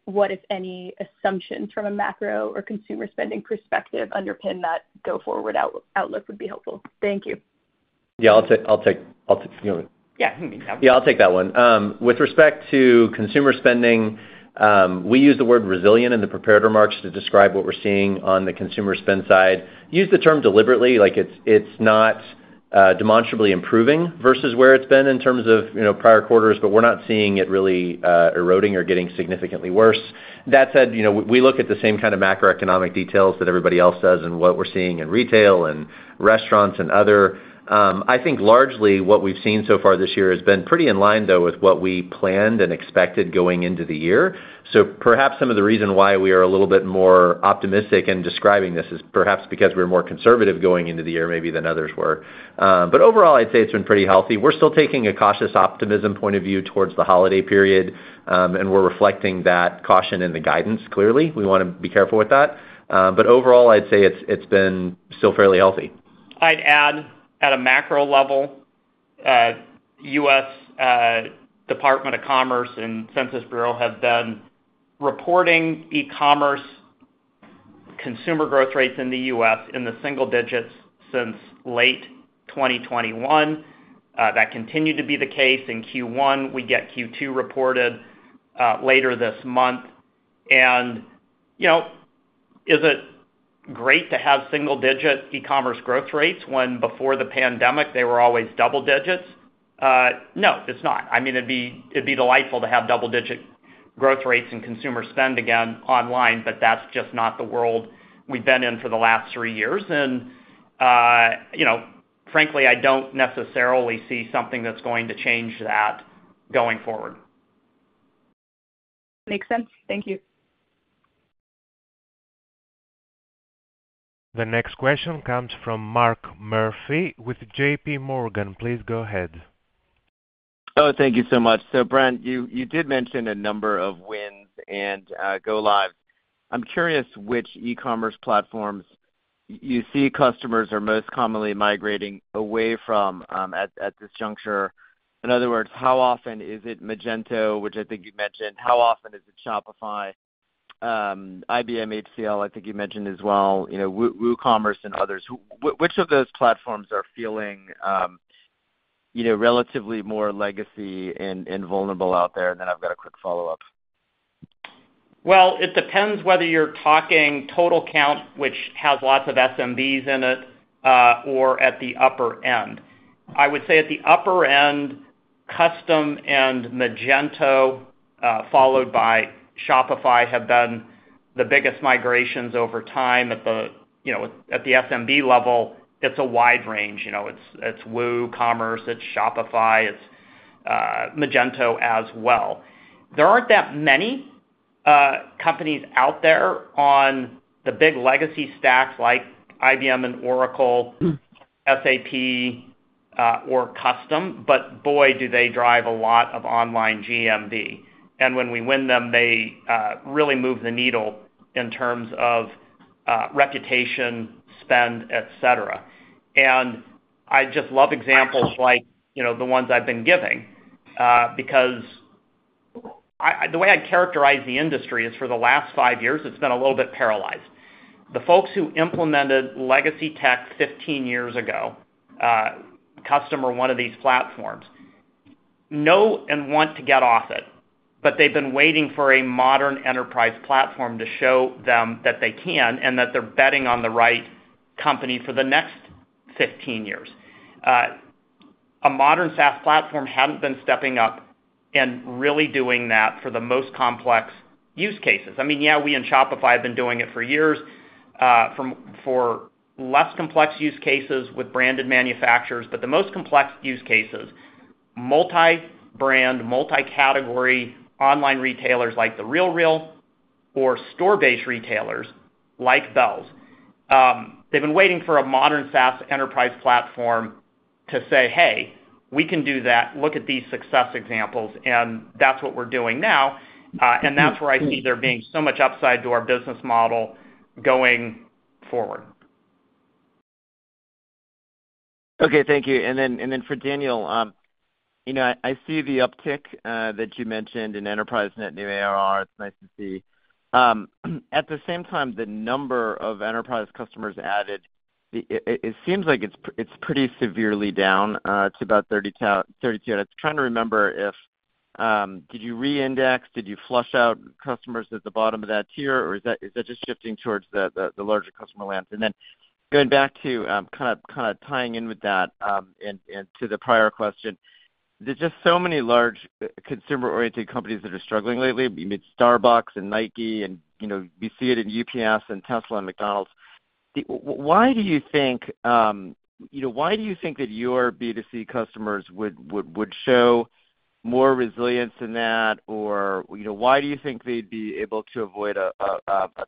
what, if any, assumptions from a macro or consumer spending perspective underpin that go-forward outlook would be helpful. Thank you. Yeah. I'll take that one. With respect to consumer spending, we use the word resilient in the prepared remarks to describe what we're seeing on the consumer spend side. Use the term deliberately. It's not demonstrably improving versus where it's been in terms of prior quarters, but we're not seeing it really eroding or getting significantly worse. That said, we look at the same kind of macroeconomic details that everybody else does and what we're seeing in retail and restaurants and other. I think largely what we've seen so far this year has been pretty in line, though, with what we planned and expected going into the year. So perhaps some of the reason why we are a little bit more optimistic in describing this is perhaps because we're more conservative going into the year maybe than others were. But overall, I'd say it's been pretty healthy. We're still taking a cautious optimism point of view towards the holiday period, and we're reflecting that caution in the guidance clearly. We want to be careful with that. But overall, I'd say it's been still fairly healthy. I'd add, at a macro level, U.S. Department of Commerce and Census Bureau have been reporting e-commerce consumer growth rates in the U.S. in the single digits since late 2021. That continued to be the case in Q1. We get Q2 reported later this month. And is it great to have single-digit e-commerce growth rates when before the pandemic, they were always double digits? No, it's not. I mean, it'd be delightful to have double-digit growth rates and consumer spend again online, but that's just not the world we've been in for the last three years. And frankly, I don't necessarily see something that's going to change that going forward. Makes sense. Thank you. The next question comes from Mark Murphy with JPMorgan. Please go ahead. Oh, thank you so much. So Brent, you did mention a number of wins and go-lives. I'm curious which e-commerce platforms you see customers are most commonly migrating away from at this juncture. In other words, how often is it Magento, which I think you mentioned? How often is it Shopify? IBM HCL, I think you mentioned as well. WooCommerce and others. Which of those platforms are feeling relatively more legacy and vulnerable out there? And then I've got a quick follow-up. Well, it depends whether you're talking total count, which has lots of SMBs in it, or at the upper end. I would say at the upper end, custom and Magento, followed by Shopify, have been the biggest migrations over time at the SMB level. It's a wide range. It's WooCommerce, it's Shopify, it's Magento as well. There aren't that many companies out there on the big legacy stacks like IBM and Oracle, SAP, or custom, but boy, do they drive a lot of online GMV. And when we win them, they really move the needle in terms of reputation, spend, etc. And I just love examples like the ones I've been giving because the way I'd characterize the industry is for the last five years, it's been a little bit paralyzed. The folks who implemented legacy tech 15 years ago, custom or one of these platforms, know and want to get off it, but they've been waiting for a modern enterprise platform to show them that they can and that they're betting on the right company for the next 15 years. A modern SaaS platform hadn't been stepping up and really doing that for the most complex use cases. I mean, yeah, we in Shopify have been doing it for years for less complex use cases with branded manufacturers, but the most complex use cases, multi-brand, multi-category online retailers like The RealReal or store-based retailers like Bealls. They've been waiting for a modern SaaS enterprise platform to say, "Hey, we can do that. Look at these success examples," and that's what we're doing now. That's where I see there being so much upside to our business model going forward. Okay. Thank you. And then for Daniel, I see the uptick that you mentioned in enterprise net new ARR. It's nice to see. At the same time, the number of enterprise customers added, it seems like it's pretty severely down to about 32. And I'm trying to remember if did you re-index? Did you flush out customers at the bottom of that tier, or is that just shifting towards the larger customer land? And then going back to kind of tying in with that and to the prior question, there's just so many large consumer-oriented companies that are struggling lately. You meet Starbucks and Nike and we see it in UPS and Tesla and McDonald's. Why do you think why do you think that your B2C customers would show more resilience in that, or why do you think they'd be able to avoid a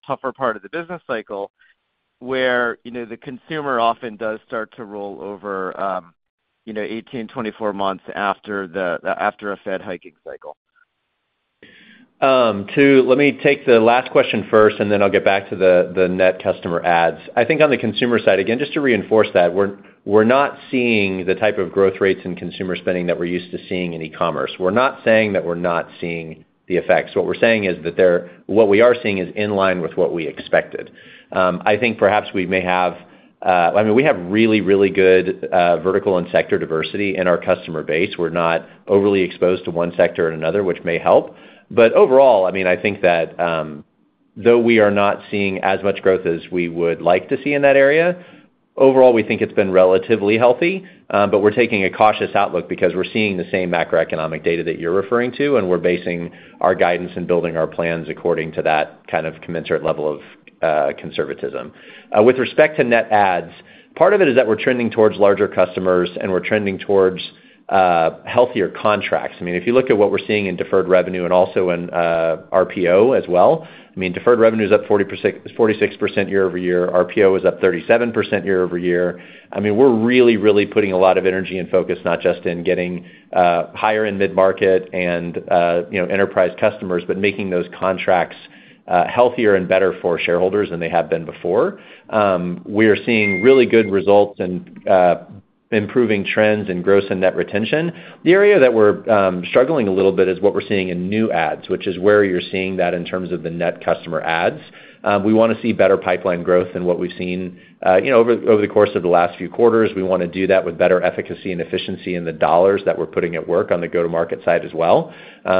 tougher part of the business cycle where the consumer often does start to roll over 18, 24 months after a Fed hiking cycle? Let me take the last question first, and then I'll get back to the net customer ads. I think on the consumer side, again, just to reinforce that, we're not seeing the type of growth rates in consumer spending that we're used to seeing in e-commerce. We're not saying that we're not seeing the effects. What we're saying is that what we are seeing is in line with what we expected. I think perhaps we may have I mean, we have really, really good vertical and sector diversity in our customer base. We're not overly exposed to one sector or another, which may help. But overall, I mean, I think that though we are not seeing as much growth as we would like to see in that area, overall, we think it's been relatively healthy, but we're taking a cautious outlook because we're seeing the same macroeconomic data that you're referring to, and we're basing our guidance and building our plans according to that kind of commensurate level of conservatism. With respect to net ads, part of it is that we're trending towards larger customers, and we're trending towards healthier contracts. I mean, if you look at what we're seeing in Deferred Revenue and also in RPO as well, I mean, Deferred Revenue is up 46% year-over-year. RPO is up 37% year-over-year. I mean, we're really, really putting a lot of energy and focus not just in getting higher in mid-market and enterprise customers, but making those contracts healthier and better for shareholders than they have been before. We are seeing really good results in improving trends and gross and net retention. The area that we're struggling a little bit is what we're seeing in new ads, which is where you're seeing that in terms of the net customer ads. We want to see better pipeline growth than what we've seen over the course of the last few quarters. We want to do that with better efficacy and efficiency in the dollars that we're putting at work on the go-to-market side as well. So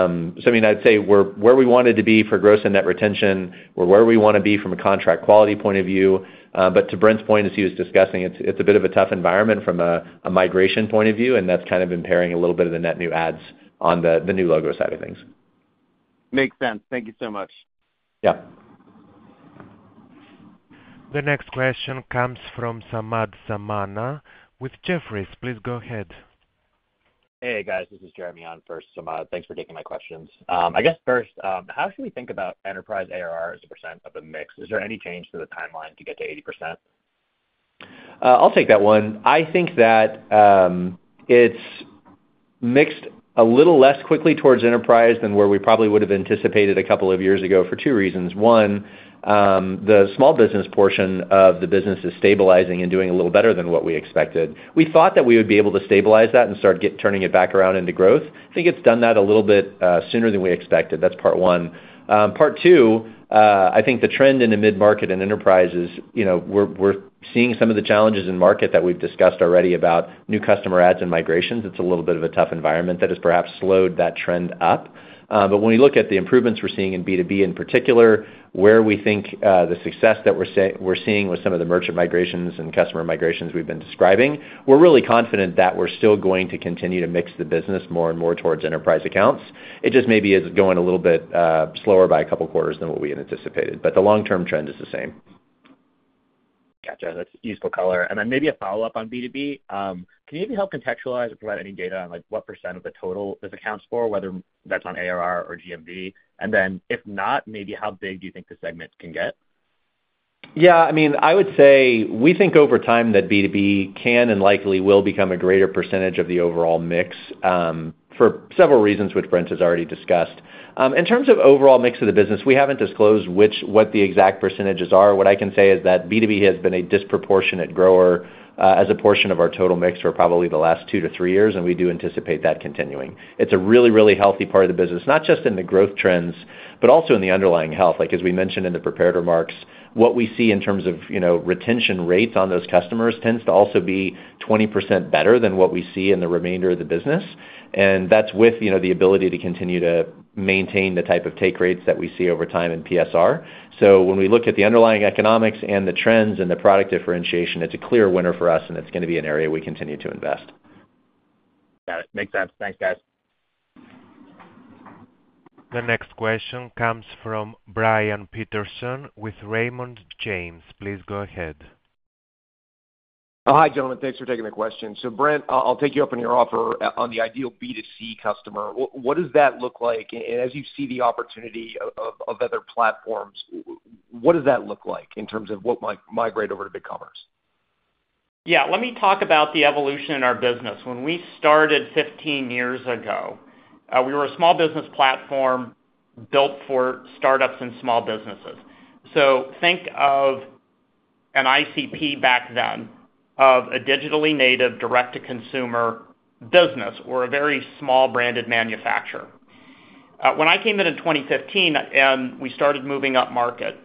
I mean, I'd say where we wanted to be for gross and net retention, or where we want to be from a contract quality point of view. But to Brent's point, as he was discussing, it's a bit of a tough environment from a migration point of view, and that's kind of impairing a little bit of the net new adds on the new logo side of things. Makes sense. Thank you so much. Yeah. The next question comes from Samad Samana with Jefferies. Please go ahead. Hey, guys. This is Jeremy on first. Samad, thanks for taking my questions. I guess first, how should we think about enterprise ARR as a percent of a mix? Is there any change to the timeline to get to 80%? I'll take that one. I think that it's mixed a little less quickly towards enterprise than where we probably would have anticipated a couple of years ago for two reasons. One, the small business portion of the business is stabilizing and doing a little better than what we expected. We thought that we would be able to stabilize that and start turning it back around into growth. I think it's done that a little bit sooner than we expected. That's part one. Part two, I think the trend in the mid-market and enterprises, we're seeing some of the challenges in market that we've discussed already about new customer adds and migrations. It's a little bit of a tough environment that has perhaps slowed that trend up. But when we look at the improvements we're seeing in B2B in particular, where we think the success that we're seeing with some of the merchant migrations and customer migrations we've been describing, we're really confident that we're still going to continue to mix the business more and more towards enterprise accounts. It just maybe is going a little bit slower by a couple of quarters than what we had anticipated, but the long-term trend is the same. Gotcha. That's useful color. And then maybe a follow-up on B2B. Can you maybe help contextualize or provide any data on what percent of the total this accounts for, whether that's on ARR or GMV? And then if not, maybe how big do you think the segment can get? Yeah. I mean, I would say we think over time that B2B can and likely will become a greater percentage of the overall mix for several reasons, which Brent has already discussed. In terms of overall mix of the business, we haven't disclosed what the exact percentages are. What I can say is that B2B has been a disproportionate grower as a portion of our total mix for probably the last two to three years, and we do anticipate that continuing. It's a really, really healthy part of the business, not just in the growth trends, but also in the underlying health. As we mentioned in the prepared remarks, what we see in terms of retention rates on those customers tends to also be 20% better than what we see in the remainder of the business. And that's with the ability to continue to maintain the type of take rates that we see over time in PSR. So when we look at the underlying economics and the trends and the product differentiation, it's a clear winner for us, and it's going to be an area we continue to invest. Got it. Makes sense. Thanks, guys. The next question comes from Brian Peterson with Raymond James. Please go ahead. Oh, hi gentlemen. Thanks for taking the question. So Brent, I'll take you up on your offer on the ideal B2C customer. What does that look like? And as you see the opportunity of other platforms, what does that look like in terms of what might migrate over to BigCommerce? Yeah. Let me talk about the evolution in our business. When we started 15 years ago, we were a small business platform built for startups and small businesses. So think of an ICP back then of a digitally native direct-to-consumer business or a very small branded manufacturer. When I came in in 2015 and we started moving up market,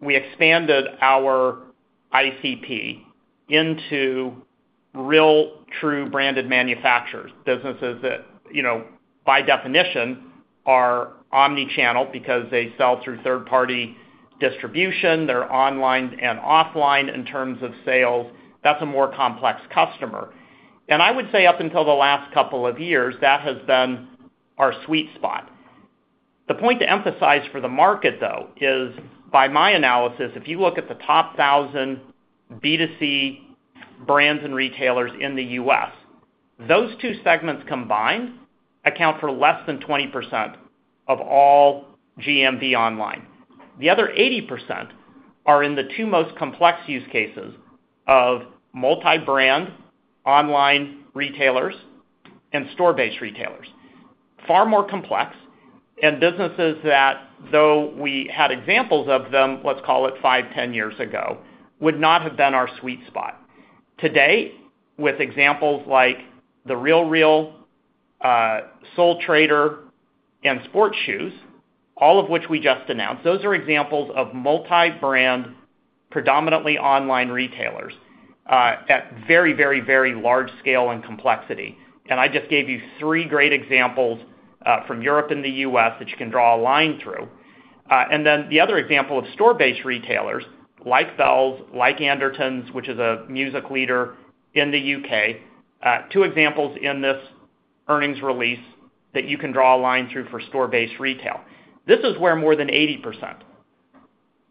we expanded our ICP into real true branded manufacturers, businesses that by definition are omnichannel because they sell through third-party distribution. They're online and offline in terms of sales. That's a more complex customer. And I would say up until the last couple of years, that has been our sweet spot. The point to emphasize for the market, though, is by my analysis, if you look at the top 1,000 B2C brands and retailers in the U.S., those two segments combined account for less than 20% of all GMV online. The other 80% are in the two most complex use cases of multi-brand online retailers and store-based retailers. Far more complex and businesses that, though we had examples of them, let's call it 5, 10 years ago, would not have been our sweet spot. Today, with examples like The RealReal, Soletrader, and SportsShoes, all of which we just announced, those are examples of multi-brand predominantly online retailers at very, very, very large scale and complexity. I just gave you three great examples from Europe and the U.S. that you can draw a line through. Then the other example of store-based retailers like Bealls, like Andertons, which is a music leader in the UK, two examples in this earnings release that you can draw a line through for store-based retail. This is where more than 80%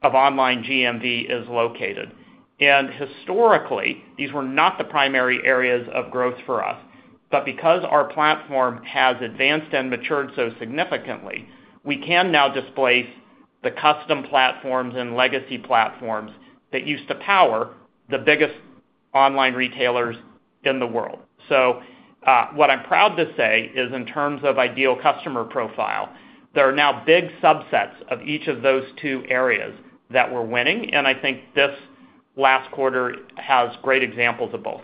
of online GMV is located. Historically, these were not the primary areas of growth for us. But because our platform has advanced and matured so significantly, we can now displace the custom platforms and legacy platforms that used to power the biggest online retailers in the world. So what I'm proud to say is in terms of ideal customer profile, there are now big subsets of each of those two areas that we're winning. And I think this last quarter has great examples of both.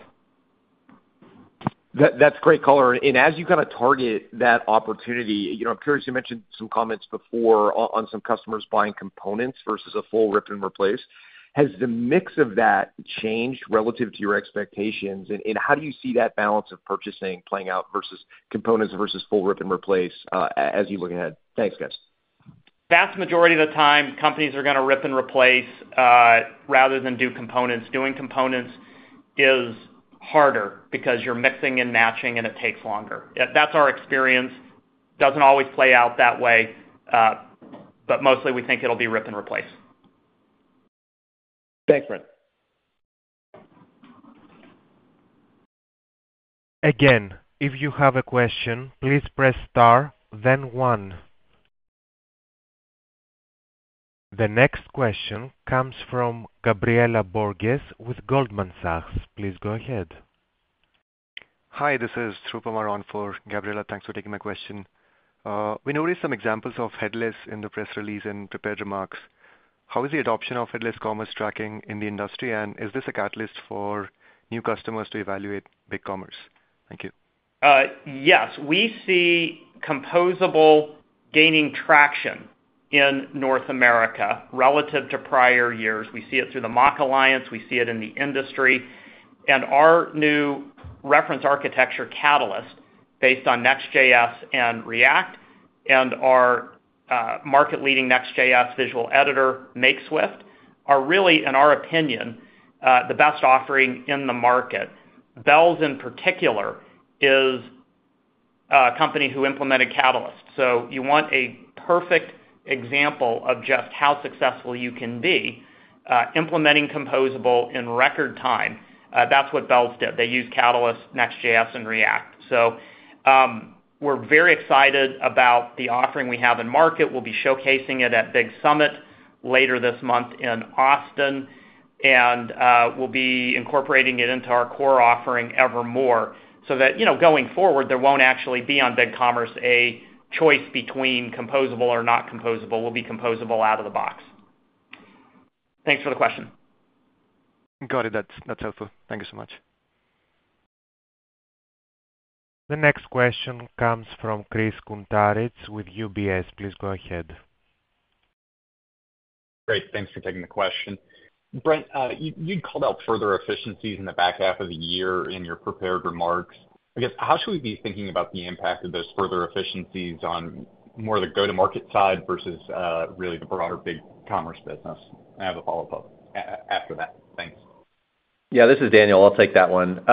That's great color. And as you kind of target that opportunity, I'm curious you mentioned some comments before on some customers buying components versus a full rip and replace. Has the mix of that changed relative to your expectations? And how do you see that balance of purchasing playing out versus components versus full rip and replace as you look ahead? Thanks, guys. Vast majority of the time, companies are going to rip and replace rather than do components. Doing components is harder because you're mixing and matching, and it takes longer. That's our experience. Doesn't always play out that way, but mostly we think it'll be rip and replace. Thanks, Brent. Again, if you have a question, please press star, then one. The next question comes from Gabriela Borges with Goldman Sachs. Please go ahead. Hi, this is Tiru Maran for Gabriela. Thanks for taking my question. We noticed some examples of headless in the press release and prepared remarks. How is the adoption of headless commerce tracking in the industry, and is this a catalyst for new customers to evaluate BigCommerce? Thank you. Yes. We see composable gaining traction in North America relative to prior years. We see it through the MACH Alliance. We see it in the industry. And our new reference architecture catalyst based on Next.js and React and our market-leading Next.js visual editor, Makeswift, are really, in our opinion, the best offering in the market. Bealls, in particular, is a company who implemented Catalyst. So you want a perfect example of just how successful you can be implementing composable in record time. That's what Bealls did. They used Catalyst, Next.js, and React. So we're very excited about the offering we have in market. We'll be showcasing it at Big Summit later this month in Austin, and we'll be incorporating it into our core offering ever more so that going forward, there won't actually be on BigCommerce a choice between composable or not composable. We'll be composable out of the box. Thanks for the question. Got it. That's helpful. Thank you so much. The next question comes from Chris Kuntarich with UBS. Please go ahead. Great. Thanks for taking the question. Brent, you'd called out further efficiencies in the back half of the year in your prepared remarks. I guess how should we be thinking about the impact of those further efficiencies on more of the go-to-market side versus really the broader BigCommerce business? I have a follow-up after that. Thanks. Yeah, this is Daniel. I'll take that one.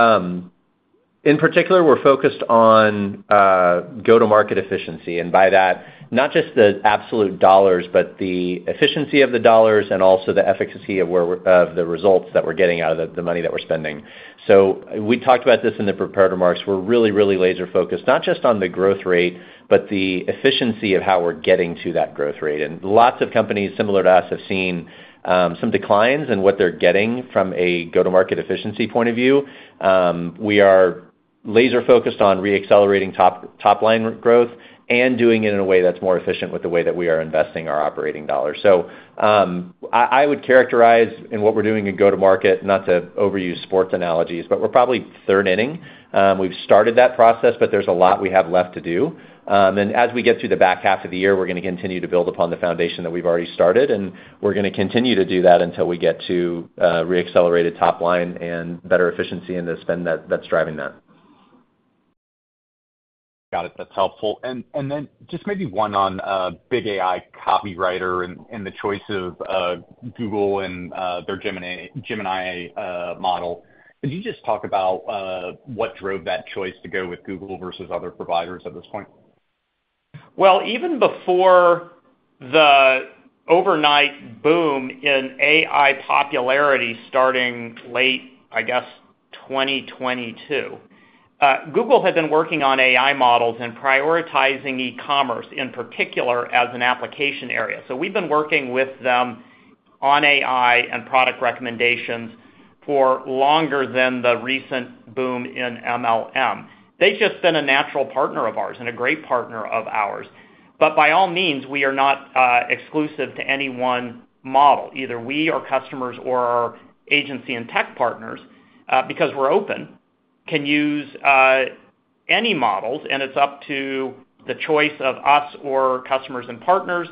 In particular, we're focused on go-to-market efficiency. And by that, not just the absolute dollars, but the efficiency of the dollars and also the efficacy of the results that we're getting out of the money that we're spending. So we talked about this in the prepared remarks. We're really, really laser-focused, not just on the growth rate, but the efficiency of how we're getting to that growth rate. And lots of companies similar to us have seen some declines in what they're getting from a go-to-market efficiency point of view. We are laser-focused on re-accelerating top-line growth and doing it in a way that's more efficient with the way that we are investing our operating dollars. So I would characterize in what we're doing in go-to-market, not to overuse sports analogies, but we're probably third inning. We've started that process, but there's a lot we have left to do. As we get through the back half of the year, we're going to continue to build upon the foundation that we've already started, and we're going to continue to do that until we get to re-accelerated top-line and better efficiency in the spend that's driving that. Got it. That's helpful. And then just maybe one on Big AI Copywriter and the choice of Google and their Gemini model. Could you just talk about what drove that choice to go with Google versus other providers at this point? Well, even before the overnight boom in AI popularity starting late, I guess, 2022, Google had been working on AI models and prioritizing e-commerce in particular as an application area. So we've been working with them on AI and product recommendations for longer than the recent boom in LLM. They've just been a natural partner of ours and a great partner of ours. But by all means, we are not exclusive to any one model, either we or customers or our agency and tech partners, because we're open, can use any models, and it's up to the choice of us or customers and partners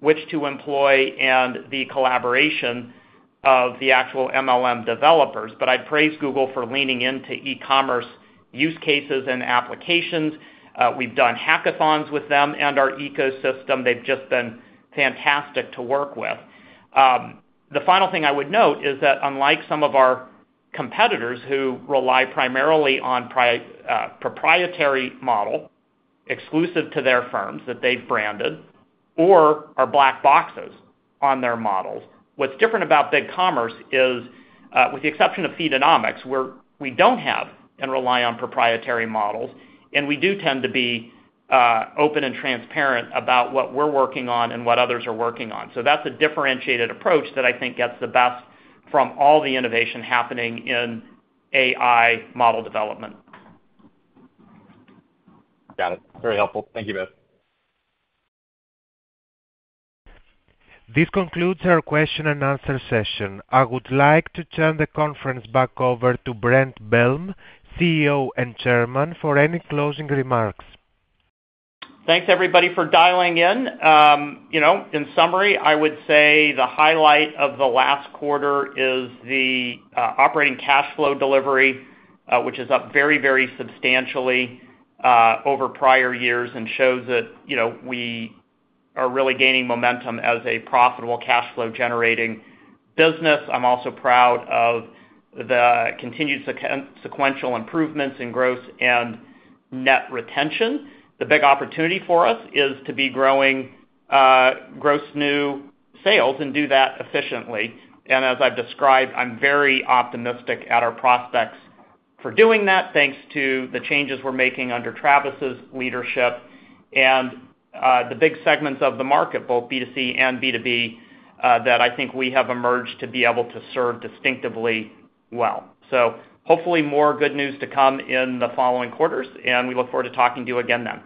which to employ and the collaboration of the actual LLM developers. But I'd praise Google for leaning into e-commerce use cases and applications. We've done hackathons with them and our ecosystem. They've just been fantastic to work with. The final thing I would note is that unlike some of our competitors who rely primarily on proprietary models exclusive to their firms that they've branded or are black boxes on their models, what's different about BigCommerce is with the exception of Feedonomics, where we don't have and rely on proprietary models, and we do tend to be open and transparent about what we're working on and what others are working on. So that's a differentiated approach that I think gets the best from all the innovation happening in AI model development. Got it. Very helpful. Thank you, Beth. This concludes our question and answer session. I would like to turn the conference back over to Brent Bellm, CEO and Chairman, for any closing remarks. Thanks, everybody, for dialing in. In summary, I would say the highlight of the last quarter is the operating cash flow delivery, which is up very, very substantially over prior years and shows that we are really gaining momentum as a profitable cash flow-generating business. I'm also proud of the continued sequential improvements in gross and net retention. The big opportunity for us is to be growing gross new sales and do that efficiently. And as I've described, I'm very optimistic at our prospects for doing that, thanks to the changes we're making under Travis's leadership and the big segments of the market, both B2C and B2B, that I think we have emerged to be able to serve distinctively well. So hopefully more good news to come in the following quarters, and we look forward to talking to you again then.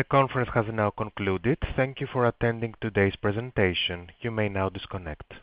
The conference has now concluded. Thank you for attending today's presentation. You may now disconnect.